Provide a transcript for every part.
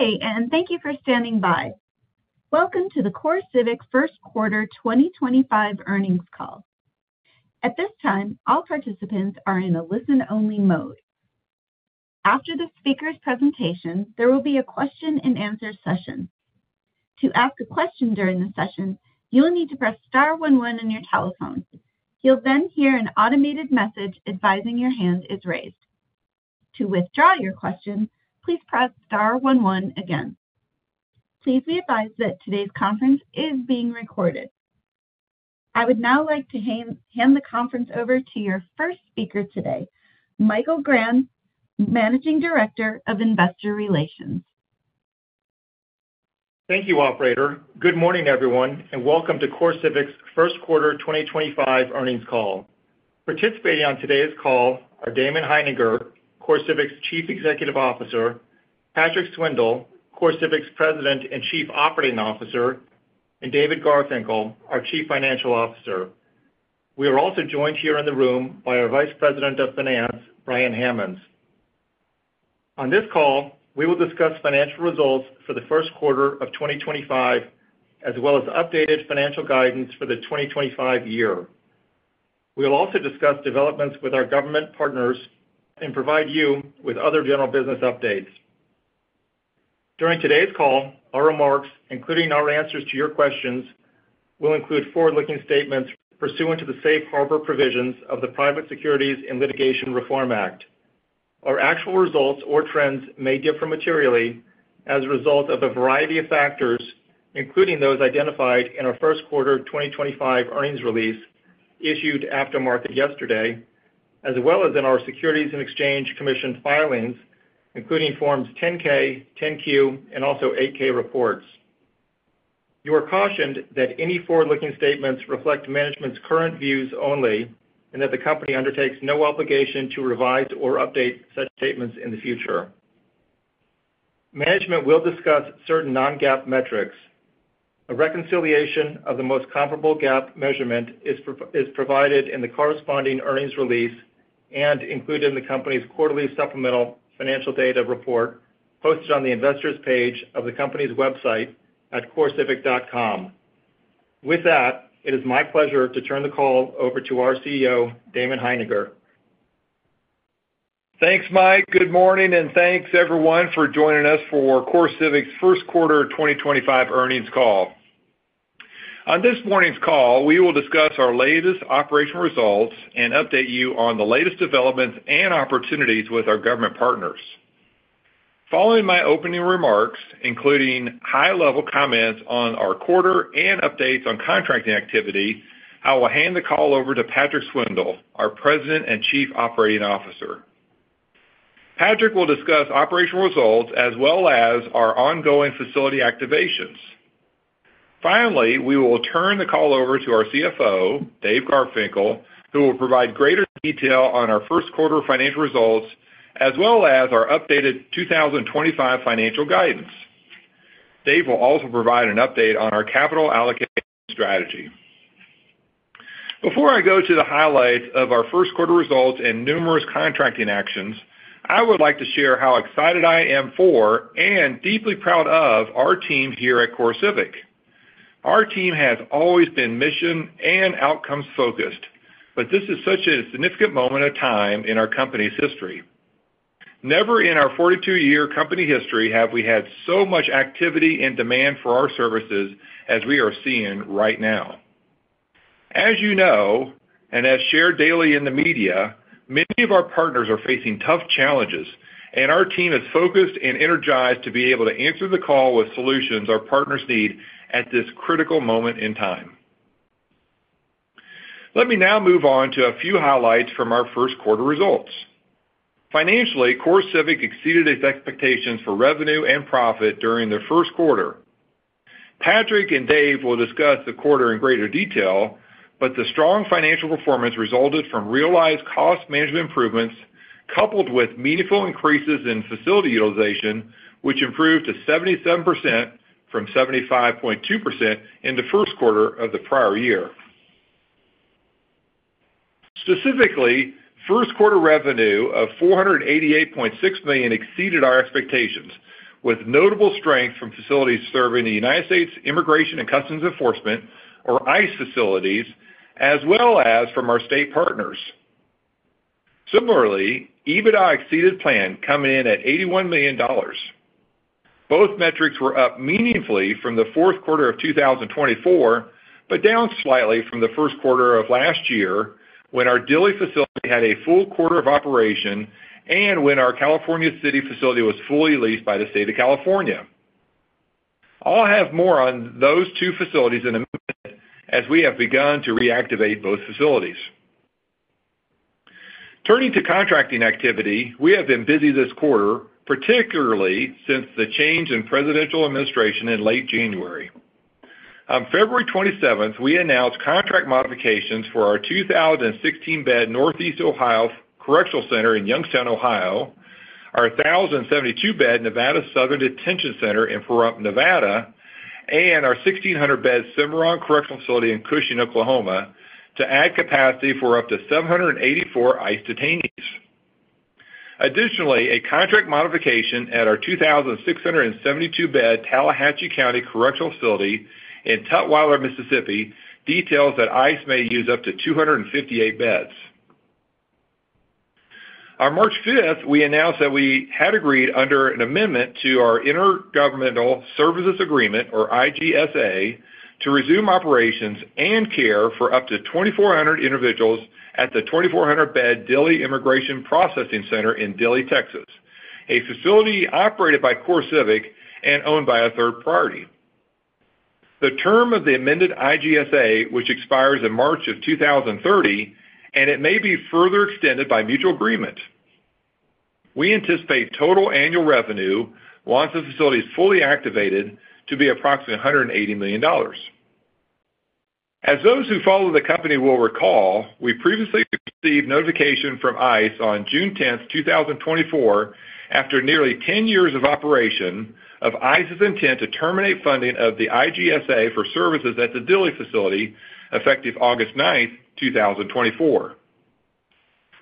Good day, and thank you for standing by. Welcome to the CoreCivic First Quarter 2025 earnings call. At this time, all participants are in a listen-only mode. After the speaker's presentation, there will be a question-and-answer session. To ask a question during the session, you'll need to press Star 11 on your telephone. You'll then hear an automated message advising your hand is raised. To withdraw your question, please press Star 11 again. Please be advised that today's conference is being recorded. I would now like to hand the conference over to your first speaker today, Michael Grant, Managing Director of Investor Relations. Thank you, Operator. Good morning, everyone, and welcome to CoreCivic's First Quarter 2025 earnings call. Participating on today's call are Damon Hininger, CoreCivic's Chief Executive Officer; Patrick Swindle, CoreCivic's President and Chief Operating Officer; and David Garfinkle, our Chief Financial Officer. We are also joined here in the room by our Vice President of Finance, Brian Hammonds. On this call, we will discuss financial results for the first quarter of 2025, as well as updated financial guidance for the 2025 year. We will also discuss developments with our government partners and provide you with other general business updates. During today's call, our remarks, including our answers to your questions, will include forward-looking statements pursuant to the safe harbor provisions of the Private Securities and Litigation Reform Act. Our actual results or trends may differ materially as a result of a variety of factors, including those identified in our First Quarter 2025 earnings release issued after market yesterday, as well as in our Securities and Exchange Commission filings, including Forms 10-K, 10-Q, and also 8-K reports. You are cautioned that any forward-looking statements reflect management's current views only and that the company undertakes no obligation to revise or update such statements in the future. Management will discuss certain non-GAAP metrics. A reconciliation of the most comparable GAAP measurement is provided in the corresponding earnings release and included in the company's quarterly supplemental financial data report posted on the investors' page of the company's website at CoreCivic.com. With that, it is my pleasure to turn the call over to our CEO, Damon Hininger. Thanks, Mike. Good morning, and thanks, everyone, for joining us for CoreCivic's First Quarter 2025 earnings call. On this morning's call, we will discuss our latest operational results and update you on the latest developments and opportunities with our government partners. Following my opening remarks, including high-level comments on our quarter and updates on contracting activity, I will hand the call over to Patrick Swindle, our President and Chief Operating Officer. Patrick will discuss operational results as well as our ongoing facility activations. Finally, we will turn the call over to our CFO, Dave Garfinkle, who will provide greater detail on our first quarter financial results as well as our updated 2025 financial guidance. Dave will also provide an update on our capital allocation strategy. Before I go to the highlights of our first quarter results and numerous contracting actions, I would like to share how excited I am for and deeply proud of our team here at CoreCivic. Our team has always been mission and outcomes focused, but this is such a significant moment in our company's history. Never in our 42-year company history have we had so much activity and demand for our services as we are seeing right now. As you know, and as shared daily in the media, many of our partners are facing tough challenges, and our team is focused and energized to be able to answer the call with solutions our partners need at this critical moment in time. Let me now move on to a few highlights from our first quarter results. Financially, CoreCivic exceeded its expectations for revenue and profit during the first quarter. Patrick and Dave will discuss the quarter in greater detail, but the strong financial performance resulted from realized cost management improvements coupled with meaningful increases in facility utilization, which improved to 77% from 75.2% in the first quarter of the prior year. Specifically, first quarter revenue of $488.6 million exceeded our expectations, with notable strength from facilities serving the U.S. Immigration and Customs Enforcement, or ICE facilities, as well as from our state partners. Similarly, EBITDA exceeded plan, coming in at $81 million. Both metrics were up meaningfully from the fourth quarter of 2024, but down slightly from the first quarter of last year when our Dilley facility had a full quarter of operation and when our California City facility was fully leased by the State of California. I'll have more on those two facilities in a minute as we have begun to reactivate both facilities. Turning to contracting activity, we have been busy this quarter, particularly since the change in presidential administration in late January. On February 27th, we announced contract modifications for our 1,016-bed Northeast Ohio Correctional Center in Youngstown, Ohio, our 1,072-bed Nevada Southern Detention Facility in Pahrump, Nevada, and our 1,600-bed Cimarron Correctional Facility in Cushing, Oklahoma, to add capacity for up to 784 ICE detainees. Additionally, a contract modification at our 2,672-bed Tallahatchie County Correctional Facility in Tutwiler, Mississippi, details that ICE may use up to 258 beds. On March 5th, we announced that we had agreed under an amendment to our Intergovernmental Services Agreement, or IGSA, to resume operations and care for up to 2,400 individuals at the 2,400-bed Dilley Immigration Processing Center in Dilley, Texas, a facility operated by CoreCivic and owned by a third party. The term of the amended IGSA, which expires in March of 2030, and it may be further extended by mutual agreement. We anticipate total annual revenue, once the facility is fully activated, to be approximately $180 million. As those who follow the company will recall, we previously received notification from ICE on June 10th, 2024, after nearly 10 years of operation, of ICE's intent to terminate funding of the IGSA for services at the Dilley facility effective August 9th, 2024.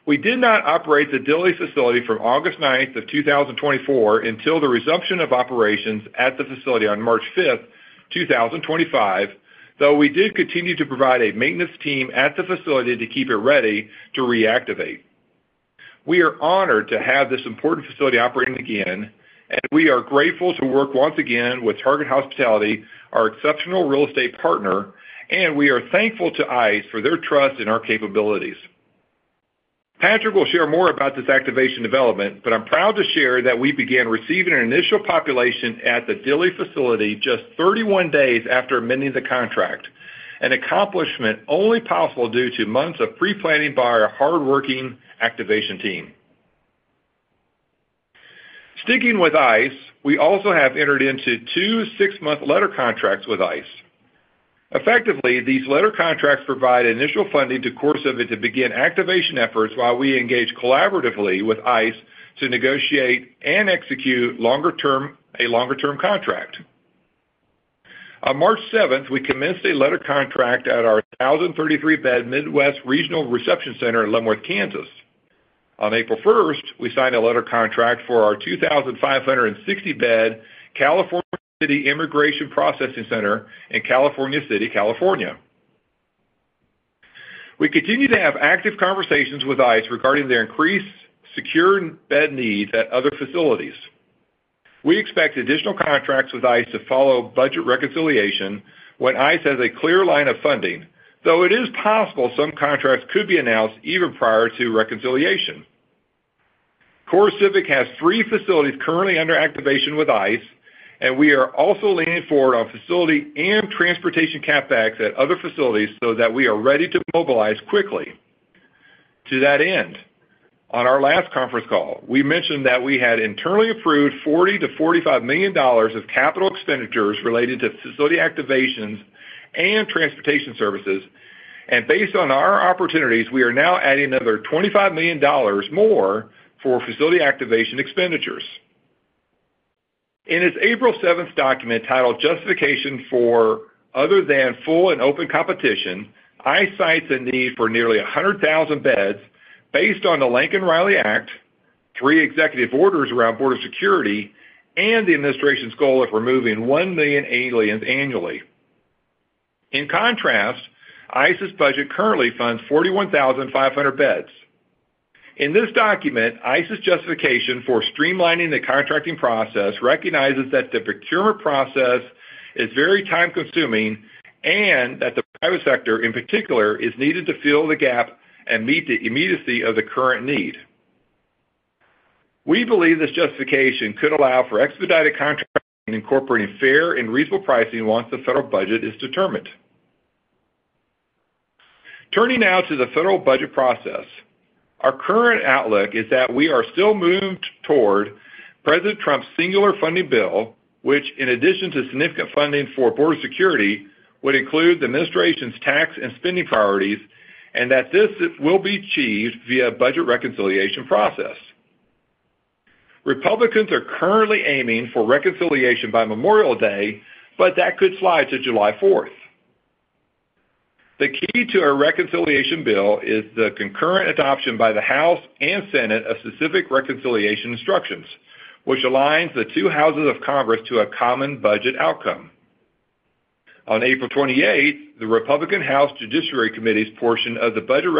We did not operate the Dilley facility from August 9th of 2024 until the resumption of operations at the facility on March 5th, 2025, though we did continue to provide a maintenance team at the facility to keep it ready to reactivate. We are honored to have this important facility operating again, and we are grateful to work once again with Target Hospitality, our exceptional real estate partner, and we are thankful to ICE for their trust in our capabilities. Patrick will share more about this activation development, but I'm proud to share that we began receiving an initial population at the Dilley facility just 31 days after amending the contract, an accomplishment only possible due to months of pre-planning by our hardworking activation team. Sticking with ICE, we also have entered into two six-month letter contracts with ICE. Effectively, these letter contracts provide initial funding to CoreCivic to begin activation efforts while we engage collaboratively with ICE to negotiate and execute a longer-term contract. On March 7th, we commenced a letter contract at our 1,033-bed Mid-Continent Regional Reception Center in Leavenworth, Kansas. On April 1st, we signed a letter contract for our 2,560-bed California City Immigration Processing Center in California City, California. We continue to have active conversations with ICE regarding their increased secure bed needs at other facilities. We expect additional contracts with ICE to follow budget reconciliation when ICE has a clear line of funding, though it is possible some contracts could be announced even prior to reconciliation. CoreCivic has three facilities currently under activation with ICE, and we are also leaning forward on facility and transportation capbacks at other facilities so that we are ready to mobilize quickly. To that end, on our last conference call, we mentioned that we had internally approved $40-$45 million of capital expenditures related to facility activations and transportation services, and based on our opportunities, we are now adding another $25 million more for facility activation expenditures. In its April 7th document titled "Justification for Other Than Full and Open Competition," ICE cites a need for nearly 100,000 beds based on the Laken Riley Act, three executive orders around border security, and the administration's goal of removing 1 million aliens annually. In contrast, ICE's budget currently funds 41,500 beds. In this document, ICE's justification for streamlining the contracting process recognizes that the procurement process is very time-consuming and that the private sector, in particular, is needed to fill the gap and meet the immediacy of the current need. We believe this justification could allow for expedited contracting and incorporating fair and reasonable pricing once the federal budget is determined. Turning now to the federal budget process, our current outlook is that we are still moved toward President Trump's singular funding bill, which, in addition to significant funding for border security, would include the administration's tax and spending priorities, and that this will be achieved via a budget reconciliation process. Republicans are currently aiming for reconciliation by Memorial Day, but that could slide to July 4. The key to a reconciliation bill is the concurrent adoption by the House and Senate of specific reconciliation instructions, which aligns the two houses of Congress to a common budget outcome. On April 28, the Republican House Judiciary Committee's portion of the budget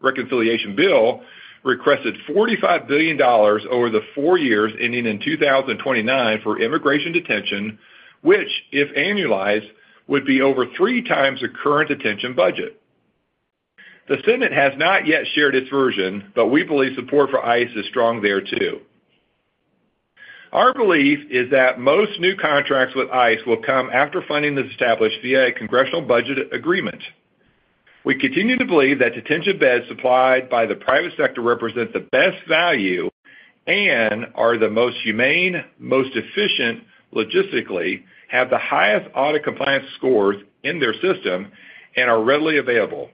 reconciliation bill requested $45 billion over the four years ending in 2029 for immigration detention, which, if annualized, would be over three times the current detention budget. The Senate has not yet shared its version, but we believe support for ICE is strong there too. Our belief is that most new contracts with ICE will come after funding is established via a congressional budget agreement. We continue to believe that detention beds supplied by the private sector represent the best value and are the most humane, most efficient logistically, have the highest audit compliance scores in their system, and are readily available.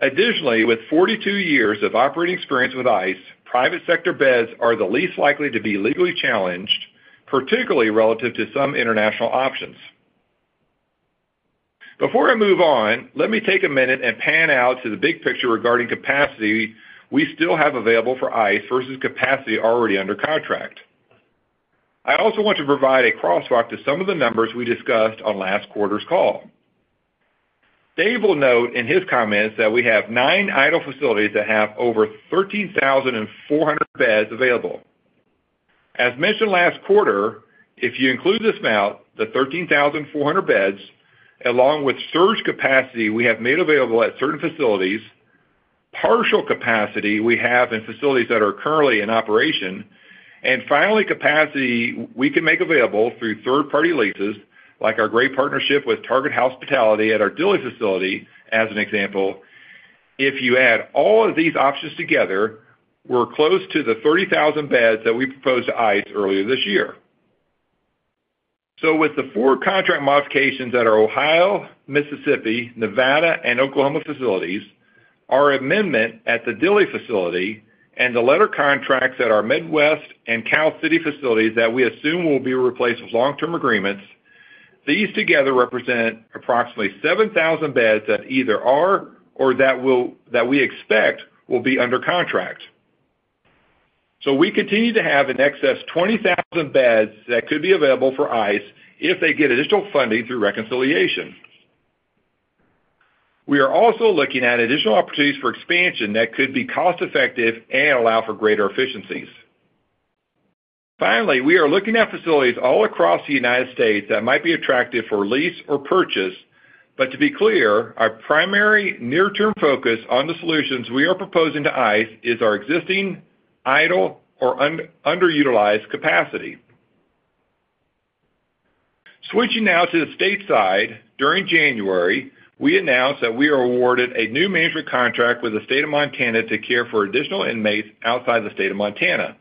Additionally, with 42 years of operating experience with ICE, private sector beds are the least likely to be legally challenged, particularly relative to some international options. Before I move on, let me take a minute and pan out to the big picture regarding capacity we still have available for ICE versus capacity already under contract. I also want to provide a crosswalk to some of the numbers we discussed on last quarter's call. Dave will note in his comments that we have nine idle facilities that have over 13,400 beds available. As mentioned last quarter, if you include this amount, the 13,400 beds, along with surge capacity we have made available at certain facilities, partial capacity we have in facilities that are currently in operation, and finally, capacity we can make available through third-party leases, like our great partnership with Target Hospitality at our Dilley facility, as an example. If you add all of these options together, we're close to the 30,000 beds that we proposed to ICE earlier this year. With the four contract modifications at our Ohio, Mississippi, Nevada, and Oklahoma facilities, our amendment at the Dilley facility, and the letter contracts at our Midwest and California City facilities that we assume will be replaced with long-term agreements, these together represent approximately 7,000 beds that either are or that we expect will be under contract. We continue to have in excess of 20,000 beds that could be available for ICE if they get additional funding through reconciliation. We are also looking at additional opportunities for expansion that could be cost-effective and allow for greater efficiencies. Finally, we are looking at facilities all across the United States that might be attractive for lease or purchase, but to be clear, our primary near-term focus on the solutions we are proposing to ICE is our existing idle or underutilized capacity. Switching now to the state side, during January, we announced that we are awarded a new management contract with the State of Montana to care for additional inmates outside the State of Montana,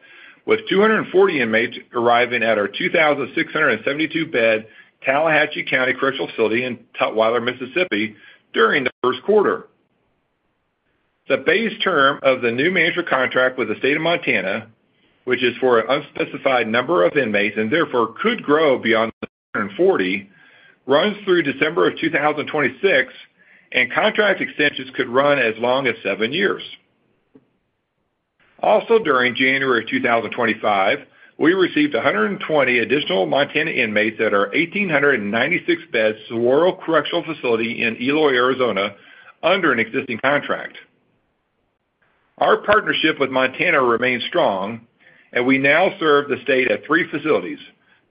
with 240 inmates arriving at our 2,672-bed Tallahatchie County Correctional Facility in Tutwiler, Mississippi, during the first quarter. The base term of the new management contract with the State of Montana, which is for an unspecified number of inmates and therefore could grow beyond 140, runs through December of 2026, and contract extensions could run as long as seven years. Also during January of 2025, we received 120 additional Montana inmates at our 1,896-bed Saguaro Correctional Center in Eloy, Arizona, under an existing contract. Our partnership with Montana remains strong, and we now serve the state at three facilities,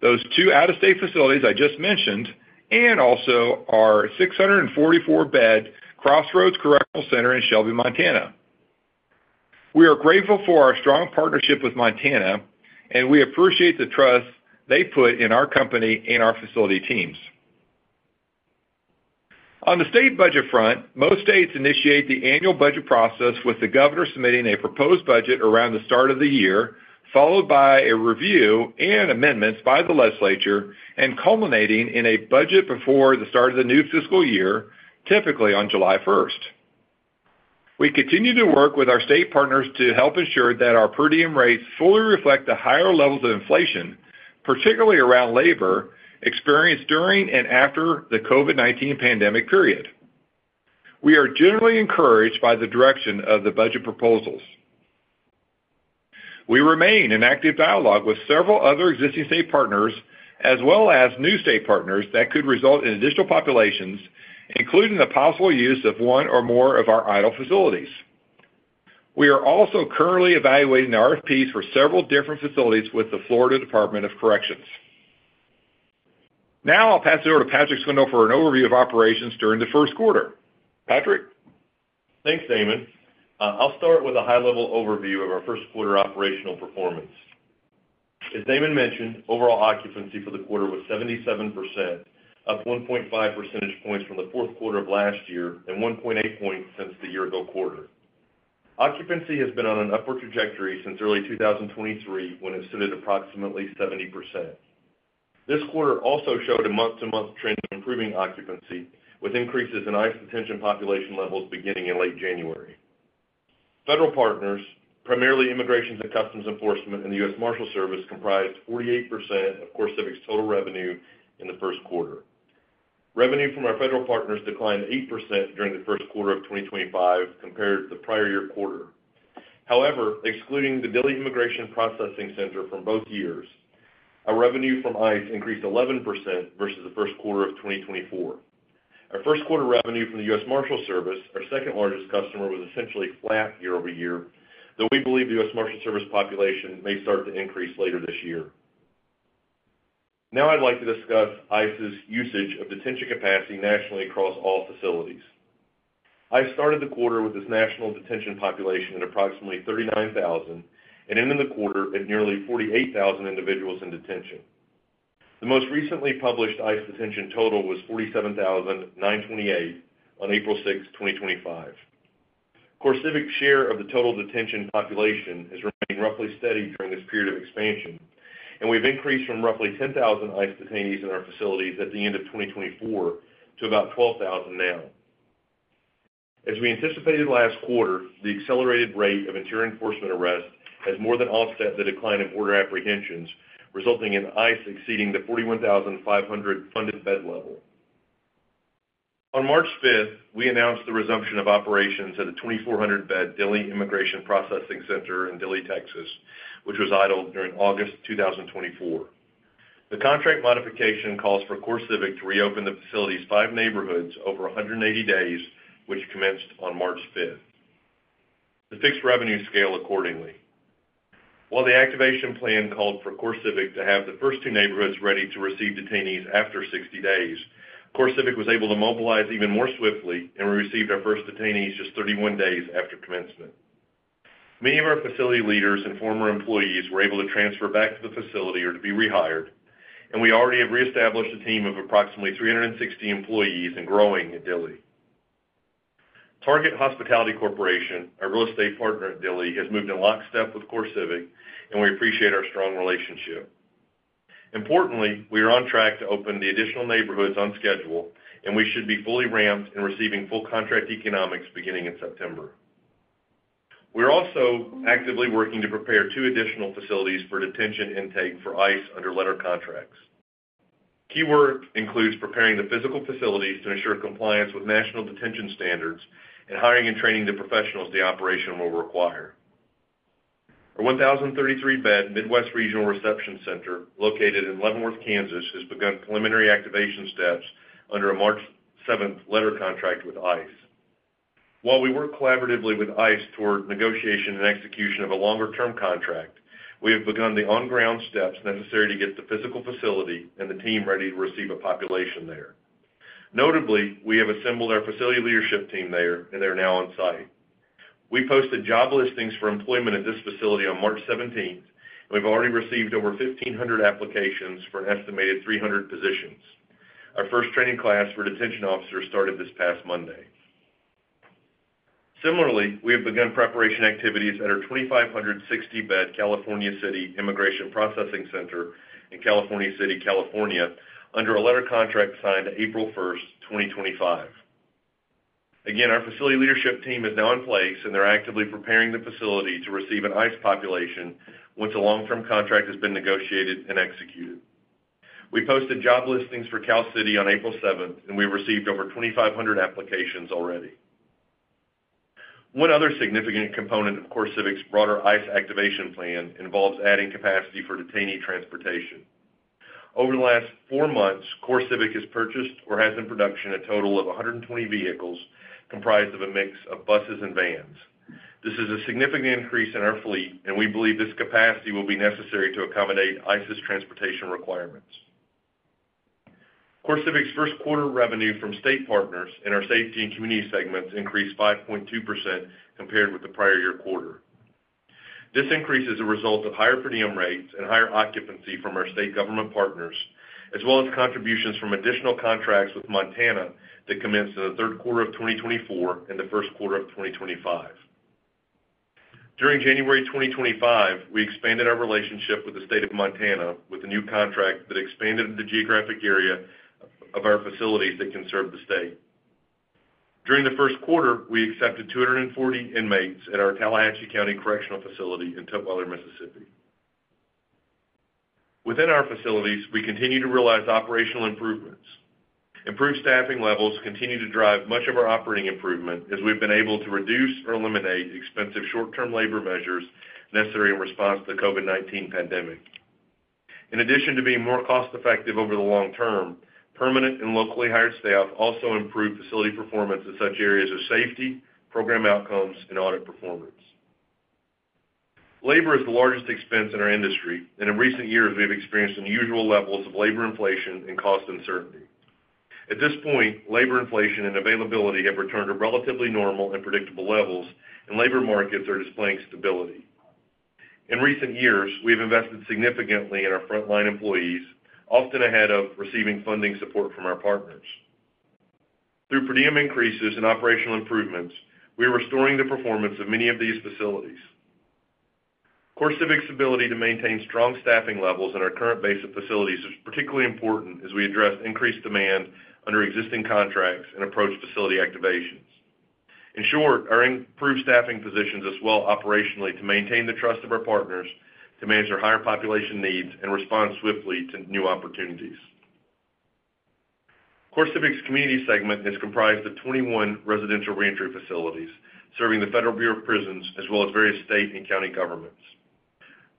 those two out-of-state facilities I just mentioned, and also our 644-bed Crossroads Correctional Center in Shelby, Montana. We are grateful for our strong partnership with Montana, and we appreciate the trust they put in our company and our facility teams. On the state budget front, most states initiate the annual budget process with the governor submitting a proposed budget around the start of the year, followed by a review and amendments by the legislature, and culminating in a budget before the start of the new fiscal year, typically on July 1. We continue to work with our state partners to help ensure that our per diem rates fully reflect the higher levels of inflation, particularly around labor experienced during and after the COVID-19 pandemic period. We are generally encouraged by the direction of the budget proposals. We remain in active dialogue with several other existing state partners, as well as new state partners that could result in additional populations, including the possible use of one or more of our idle facilities. We are also currently evaluating RFPs for several different facilities with the Florida Department of Corrections. Now I'll pass it over to Patrick Swindle for an overview of operations during the first quarter. Patrick? Thanks, Damon. I'll start with a high-level overview of our first quarter operational performance. As Damon mentioned, overall occupancy for the quarter was 77%, up 1.5 percentage points from the fourth quarter of last year and 1.8 percentage points since the year-ago quarter. Occupancy has been on an upward trajectory since early 2023, when it stood at approximately 70%. This quarter also showed a month-to-month trend of improving occupancy, with increases in ICE detention population levels beginning in late January. Federal partners, primarily Immigration and Customs Enforcement and the U.S. Marshals Service, comprised 48% of CoreCivic's total revenue in the first quarter. Revenue from our federal partners declined 8% during the first quarter of 2025 compared to the prior year quarter. However, excluding the Dilley Immigration Processing Center from both years, our revenue from ICE increased 11% versus the first quarter of 2024. Our first quarter revenue from the U.S. Marshals Service, our second-largest customer, was essentially flat year over year, though we believe the U.S. Marshals Service population may start to increase later this year. Now I'd like to discuss ICE's usage of detention capacity nationally across all facilities. ICE started the quarter with its national detention population at approximately 39,000 and ended the quarter at nearly 48,000 individuals in detention. The most recently published ICE detention total was 47,928 on April 6th, 2025. CoreCivic's share of the total detention population has remained roughly steady during this period of expansion, and we've increased from roughly 10,000 ICE detainees in our facilities at the end of 2024 to about 12,000 now. As we anticipated last quarter, the accelerated rate of interior enforcement arrest has more than offset the decline in border apprehensions, resulting in ICE exceeding the 41,500 funded bed level. On March 5th, we announced the resumption of operations at the 2,400-bed Dilley Immigration Processing Center in Dilley, Texas, which was idled during August 2024. The contract modification calls for CoreCivic to reopen the facility's five neighborhoods over 180 days, which commenced on March 5th. The fixed revenues scale accordingly. While the activation plan called for CoreCivic to have the first two neighborhoods ready to receive detainees after 60 days, CoreCivic was able to mobilize even more swiftly and received our first detainees just 31 days after commencement. Many of our facility leaders and former employees were able to transfer back to the facility or to be rehired, and we already have reestablished a team of approximately 360 employees and growing at Dilley. Target Hospitality Corporation, our real estate partner at Dilley, has moved in lockstep with CoreCivic, and we appreciate our strong relationship. Importantly, we are on track to open the additional neighborhoods on schedule, and we should be fully ramped and receiving full contract economics beginning in September. We're also actively working to prepare two additional facilities for detention intake for ICE under letter contracts. Keyword includes preparing the physical facilities to ensure compliance with national detention standards and hiring and training the professionals the operation will require. Our 1,033-bed Midwest Regional Reception Center, located in Leavenworth, Kansas, has begun preliminary activation steps under a March 7th letter contract with ICE. While we work collaboratively with ICE toward negotiation and execution of a longer-term contract, we have begun the on-ground steps necessary to get the physical facility and the team ready to receive a population there. Notably, we have assembled our facility leadership team there, and they're now on site. We posted job listings for employment at this facility on March 17th, and we've already received over 1,500 applications for an estimated 300 positions. Our first training class for detention officers started this past Monday. Similarly, we have begun preparation activities at our 2,560-bed California City Immigration Processing Center in California City, California, under a letter contract signed April 1st, 2025. Again, our facility leadership team is now in place, and they're actively preparing the facility to receive an ICE population once a long-term contract has been negotiated and executed. We posted job listings for Cal City on April 7th, and we've received over 2,500 applications already. One other significant component of CoreCivic's broader ICE activation plan involves adding capacity for detainee transportation. Over the last four months, CoreCivic has purchased or has in production a total of 120 vehicles comprised of a mix of buses and vans. This is a significant increase in our fleet, and we believe this capacity will be necessary to accommodate ICE's transportation requirements. CoreCivic's first quarter revenue from state partners in our Safety and Community segments increased 5.2% compared with the prior year quarter. This increase is a result of higher per diem rates and higher occupancy from our state government partners, as well as contributions from additional contracts with Montana that commence in the third quarter of 2024 and the first quarter of 2025. During January 2025, we expanded our relationship with the State of Montana with a new contract that expanded the geographic area of our facilities that can serve the state. During the first quarter, we accepted 240 inmates at our Tallahatchie County Correctional Facility in Tutwiler, Mississippi. Within our facilities, we continue to realize operational improvements. Improved staffing levels continue to drive much of our operating improvement, as we've been able to reduce or eliminate expensive short-term labor measures necessary in response to the COVID-19 pandemic. In addition to being more cost-effective over the long term, permanent and locally hired staff also improve facility performance in such areas as safety, program outcomes, and audit performance. Labor is the largest expense in our industry, and in recent years, we've experienced unusual levels of labor inflation and cost uncertainty. At this point, labor inflation and availability have returned to relatively normal and predictable levels, and labor markets are displaying stability. In recent years, we have invested significantly in our frontline employees, often ahead of receiving funding support from our partners. Through per diem increases and operational improvements, we are restoring the performance of many of these facilities. CoreCivic's ability to maintain strong staffing levels in our current base of facilities is particularly important as we address increased demand under existing contracts and approach facility activations. In short, our improved staffing positions us well operationally to maintain the trust of our partners to manage our higher population needs and respond swiftly to new opportunities. CoreCivic's community segment is comprised of 21 residential reentry facilities serving the Federal Bureau of Prisons, as well as various state and county governments.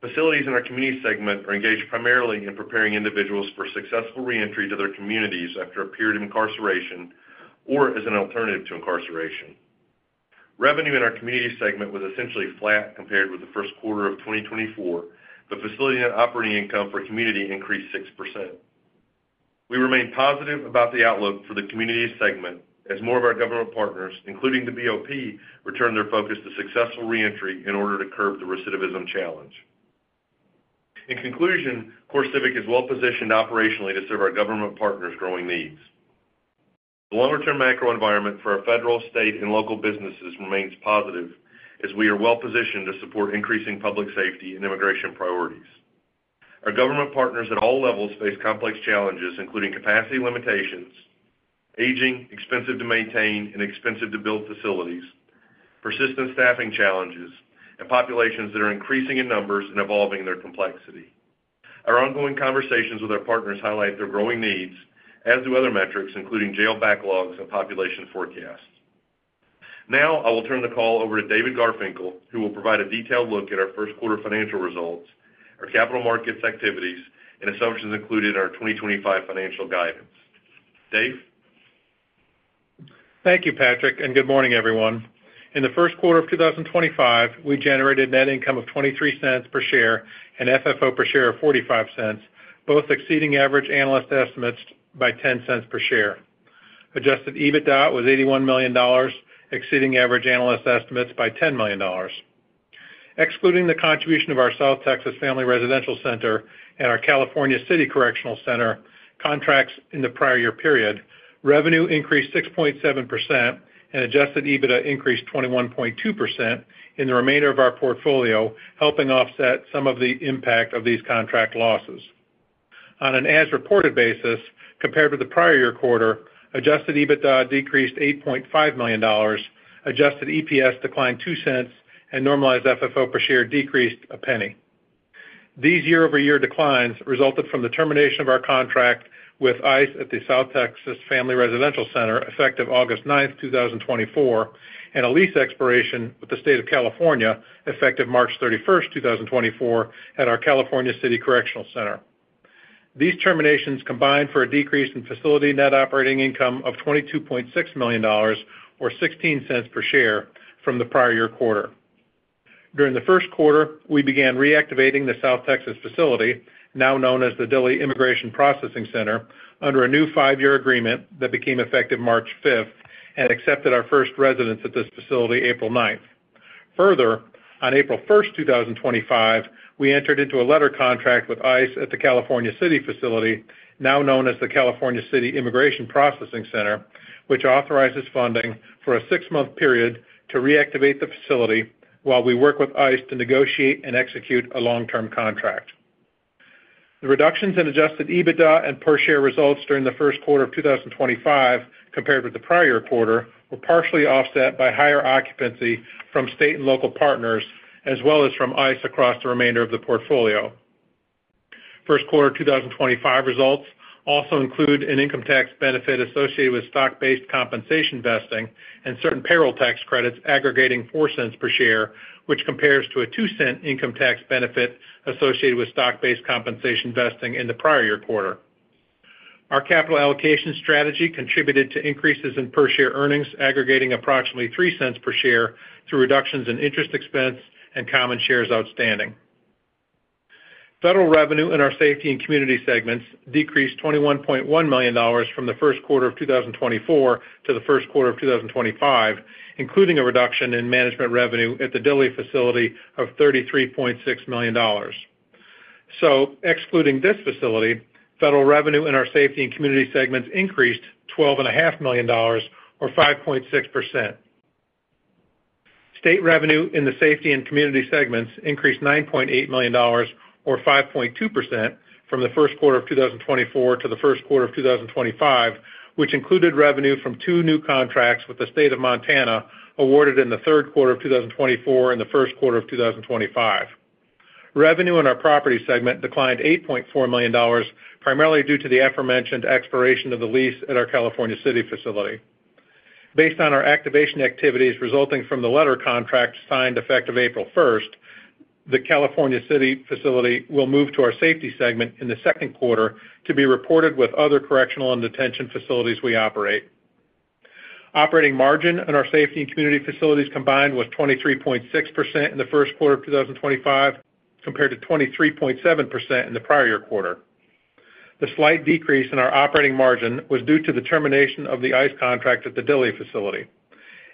Facilities in our community segment are engaged primarily in preparing individuals for successful reentry to their communities after a period of incarceration or as an alternative to incarceration. Revenue in our community segment was essentially flat compared with the first quarter of 2024, but facility and operating income for community increased 6%. We remain positive about the outlook for the community segment, as more of our government partners, including the BOP, returned their focus to successful reentry in order to curb the recidivism challenge. In conclusion, CoreCivic is well positioned operationally to serve our government partners' growing needs. The longer-term macro environment for our federal, state, and local businesses remains positive, as we are well positioned to support increasing public safety and immigration priorities. Our government partners at all levels face complex challenges, including capacity limitations, aging, expensive to maintain, and expensive to build facilities, persistent staffing challenges, and populations that are increasing in numbers and evolving in their complexity. Our ongoing conversations with our partners highlight their growing needs, as do other metrics, including jail backlogs and population forecasts. Now I will turn the call over to David Garfinkle, who will provide a detailed look at our first quarter financial results, our capital markets activities, and assumptions included in our 2025 financial guidance. Dave? Thank you, Patrick, and good morning, everyone. In the first quarter of 2025, we generated net income of $0.23 per share and FFO per share of $0.45, both exceeding average analyst estimates by $0.10 per share. Adjusted EBITDA was $81 million, exceeding average analyst estimates by $10 million. Excluding the contribution of our South Texas Family Residential Center and our California City Correctional Center contracts in the prior year period, revenue increased 6.7%, and adjusted EBITDA increased 21.2% in the remainder of our portfolio, helping offset some of the impact of these contract losses. On an as-reported basis, compared with the prior year quarter, adjusted EBITDA decreased $8.5 million, adjusted EPS declined $0.02, and normalized FFO per share decreased $0.01. These year-over-year declines resulted from the termination of our contract with ICE at the South Texas Family Residential Center effective August 9th, 2024, and a lease expiration with the State of California effective March 31st, 2024, at our California City Correctional Center. These terminations combined for a decrease in facility net operating income of $22.6 million, or $0.16 per share, from the prior year quarter. During the first quarter, we began reactivating the South Texas facility, now known as the Dilley Immigration Processing Center, under a new five-year agreement that became effective March 5th and accepted our first residents at this facility April 9th. Further, on April 1, 2025, we entered into a letter contract with ICE at the California City facility, now known as the California City Immigration Processing Center, which authorizes funding for a six-month period to reactivate the facility while we work with ICE to negotiate and execute a long-term contract. The reductions in adjusted EBITDA and per share results during the first quarter of 2025, compared with the prior quarter, were partially offset by higher occupancy from state and local partners, as well as from ICE across the remainder of the portfolio. First quarter 2025 results also include an income tax benefit associated with stock-based compensation vesting and certain payroll tax credits aggregating $0.04 per share, which compares to a $0.02 income tax benefit associated with stock-based compensation vesting in the prior year quarter. Our capital allocation strategy contributed to increases in per share earnings, aggregating approximately $0.03 per share through reductions in interest expense and common shares outstanding. Federal revenue in our safety and community segments decreased $21.1 million from the first quarter of 2024 to the first quarter of 2025, including a reduction in management revenue at the Dilley facility of $33.6 million. Excluding this facility, federal revenue in our safety and community segments increased $12.5 million, or 5.6%. State revenue in the safety and community segments increased $9.8 million, or 5.2%, from the first quarter of 2024 to the first quarter of 2025, which included revenue from two new contracts with the State of Montana awarded in the third quarter of 2024 and the first quarter of 2025. Revenue in our property segment declined $8.4 million, primarily due to the aforementioned expiration of the lease at our California City facility. Based on our activation activities resulting from the letter contract signed effective April 1st, the California City facility will move to our safety segment in the second quarter to be reported with other correctional and detention facilities we operate. Operating margin in our safety and community facilities combined was 23.6% in the first quarter of 2025 compared to 23.7% in the prior year quarter. The slight decrease in our operating margin was due to the termination of the ICE contract at the Dilley facility.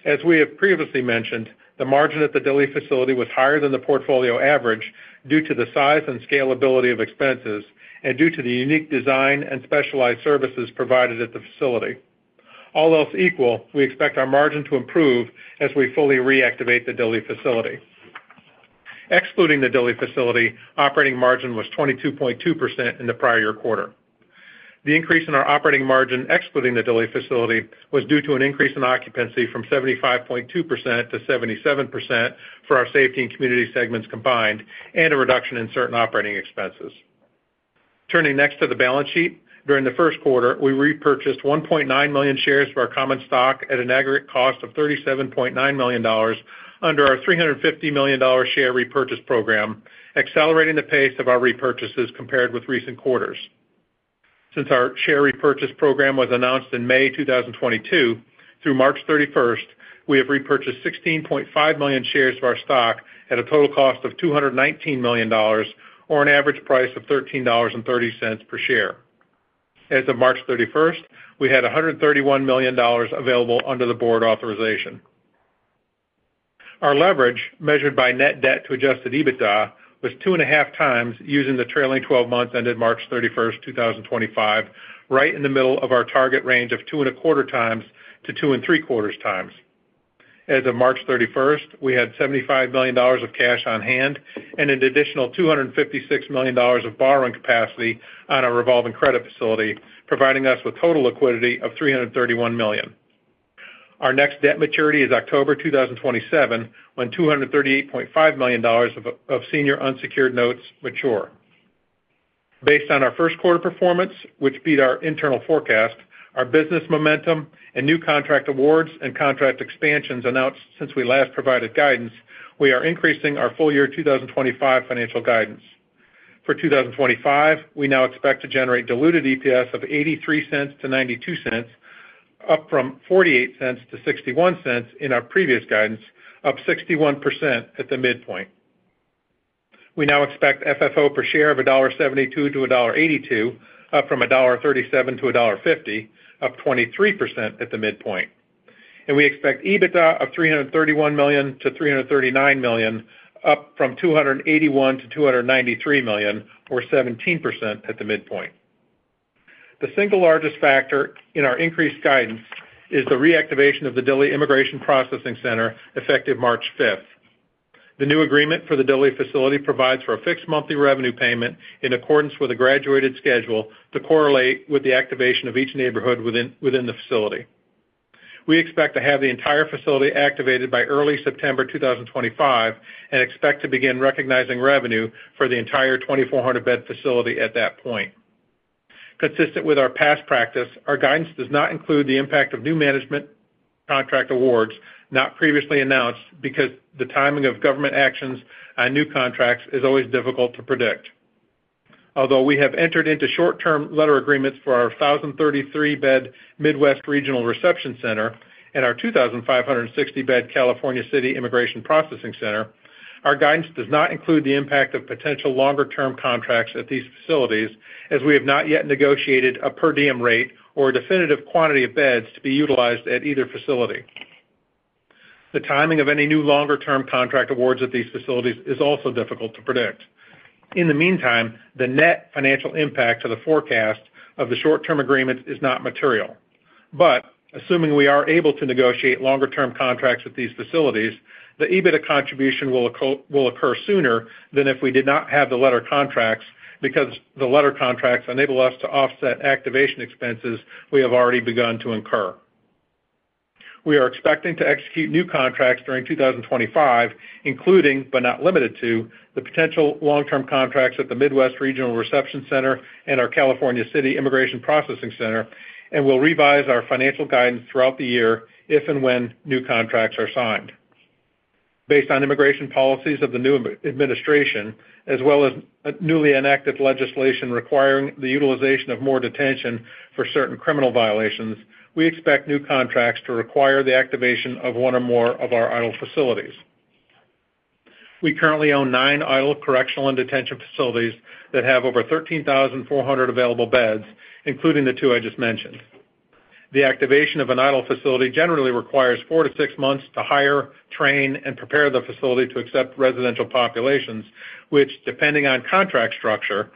As we have previously mentioned, the margin at the Dilley facility was higher than the portfolio average due to the size and scalability of expenses and due to the unique design and specialized services provided at the facility. All else equal, we expect our margin to improve as we fully reactivate the Dilley facility. Excluding the Dilley facility, operating margin was 22.2% in the prior year quarter. The increase in our operating margin excluding the Dilley facility was due to an increase in occupancy from 75.2%-77% for our safety and community segments combined and a reduction in certain operating expenses. Turning next to the balance sheet, during the first quarter, we repurchased 1.9 million shares of our common stock at an aggregate cost of $37.9 million under our $350 million share repurchase program, accelerating the pace of our repurchases compared with recent quarters. Since our share repurchase program was announced in May 2022, through March 31, we have repurchased 16.5 million shares of our stock at a total cost of $219 million, or an average price of $13.30 per share. As of March 31, we had $131 million available under the board authorization. Our leverage, measured by net debt to adjusted EBITDA, was two and a half times using the trailing 12 months ended March 31, 2025, right in the middle of our target range of two and a quarter times to two and three quarters times. As of March 31, we had $75 million of cash on hand and an additional $256 million of borrowing capacity on our revolving credit facility, providing us with total liquidity of $331 million. Our next debt maturity is October 2027 when $238.5 million of senior unsecured notes mature. Based on our first quarter performance, which beat our internal forecast, our business momentum, and new contract awards and contract expansions announced since we last provided guidance, we are increasing our full year 2025 financial guidance. For 2025, we now expect to generate diluted EPS of $0.83-$0.92, up from $0.48-$0.61 in our previous guidance, up 61% at the midpoint. We now expect FFO per share of $1.72-$1.82, up from $1.37-$1.50, up 23% at the midpoint. We expect EBITDA of $331 million-$339 million, up from $281 million-$293 million, or 17% at the midpoint. The single largest factor in our increased guidance is the reactivation of the Dilley Immigration Processing Center effective March 5th. The new agreement for the Dilley facility provides for a fixed monthly revenue payment in accordance with a graduated schedule to correlate with the activation of each neighborhood within the facility. We expect to have the entire facility activated by early September 2025 and expect to begin recognizing revenue for the entire 2,400-bed facility at that point. Consistent with our past practice, our guidance does not include the impact of new management contract awards not previously announced because the timing of government actions on new contracts is always difficult to predict. Although we have entered into short-term letter agreements for our 1,033-bed Midwest Regional Reception Center and our 2,560-bed California City Immigration Processing Center, our guidance does not include the impact of potential longer-term contracts at these facilities, as we have not yet negotiated a per diem rate or a definitive quantity of beds to be utilized at either facility. The timing of any new longer-term contract awards at these facilities is also difficult to predict. In the meantime, the net financial impact of the forecast of the short-term agreements is not material. Assuming we are able to negotiate longer-term contracts with these facilities, the EBITDA contribution will occur sooner than if we did not have the letter contracts because the letter contracts enable us to offset activation expenses we have already begun to incur. We are expecting to execute new contracts during 2025, including but not limited to the potential long-term contracts at the Midwest Regional Reception Center and our California City Immigration Processing Center, and will revise our financial guidance throughout the year if and when new contracts are signed. Based on immigration policies of the new administration, as well as newly enacted legislation requiring the utilization of more detention for certain criminal violations, we expect new contracts to require the activation of one or more of our idle facilities. We currently own nine idle correctional and detention facilities that have over 13,400 available beds, including the two I just mentioned. The activation of an idle facility generally requires four to six months to hire, train, and prepare the facility to accept residential populations, which, depending on contract structure,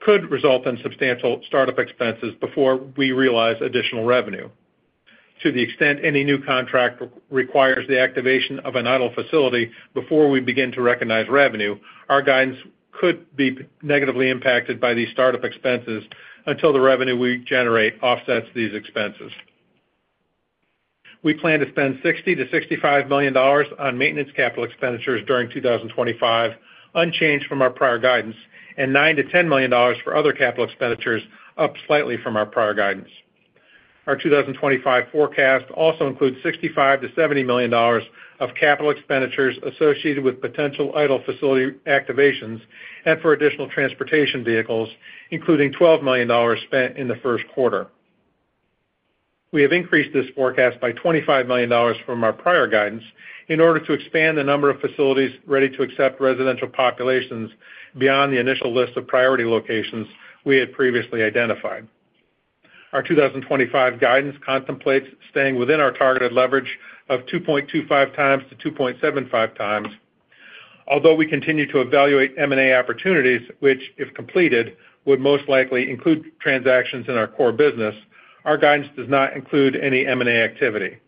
could result in substantial startup expenses before we realize additional revenue. To the extent any new contract requires the activation of an idle facility before we begin to recognize revenue, our guidance could be negatively impacted by these startup expenses until the revenue we generate offsets these expenses. We plan to spend $60 million-$65 million on maintenance capital expenditures during 2025, unchanged from our prior guidance, and $9 million-$10 million for other capital expenditures, up slightly from our prior guidance. Our 2025 forecast also includes $65 million-$70 million of capital expenditures associated with potential idle facility activations and for additional transportation vehicles, including $12 million spent in the first quarter. We have increased this forecast by $25 million from our prior guidance in order to expand the number of facilities ready to accept residential populations beyond the initial list of priority locations we had previously identified. Our 2025 guidance contemplates staying within our targeted leverage of 2.25x-2.75x. Although we continue to evaluate M&A opportunities, which, if completed, would most likely include transactions in our core business, our guidance does not include any M&A activity.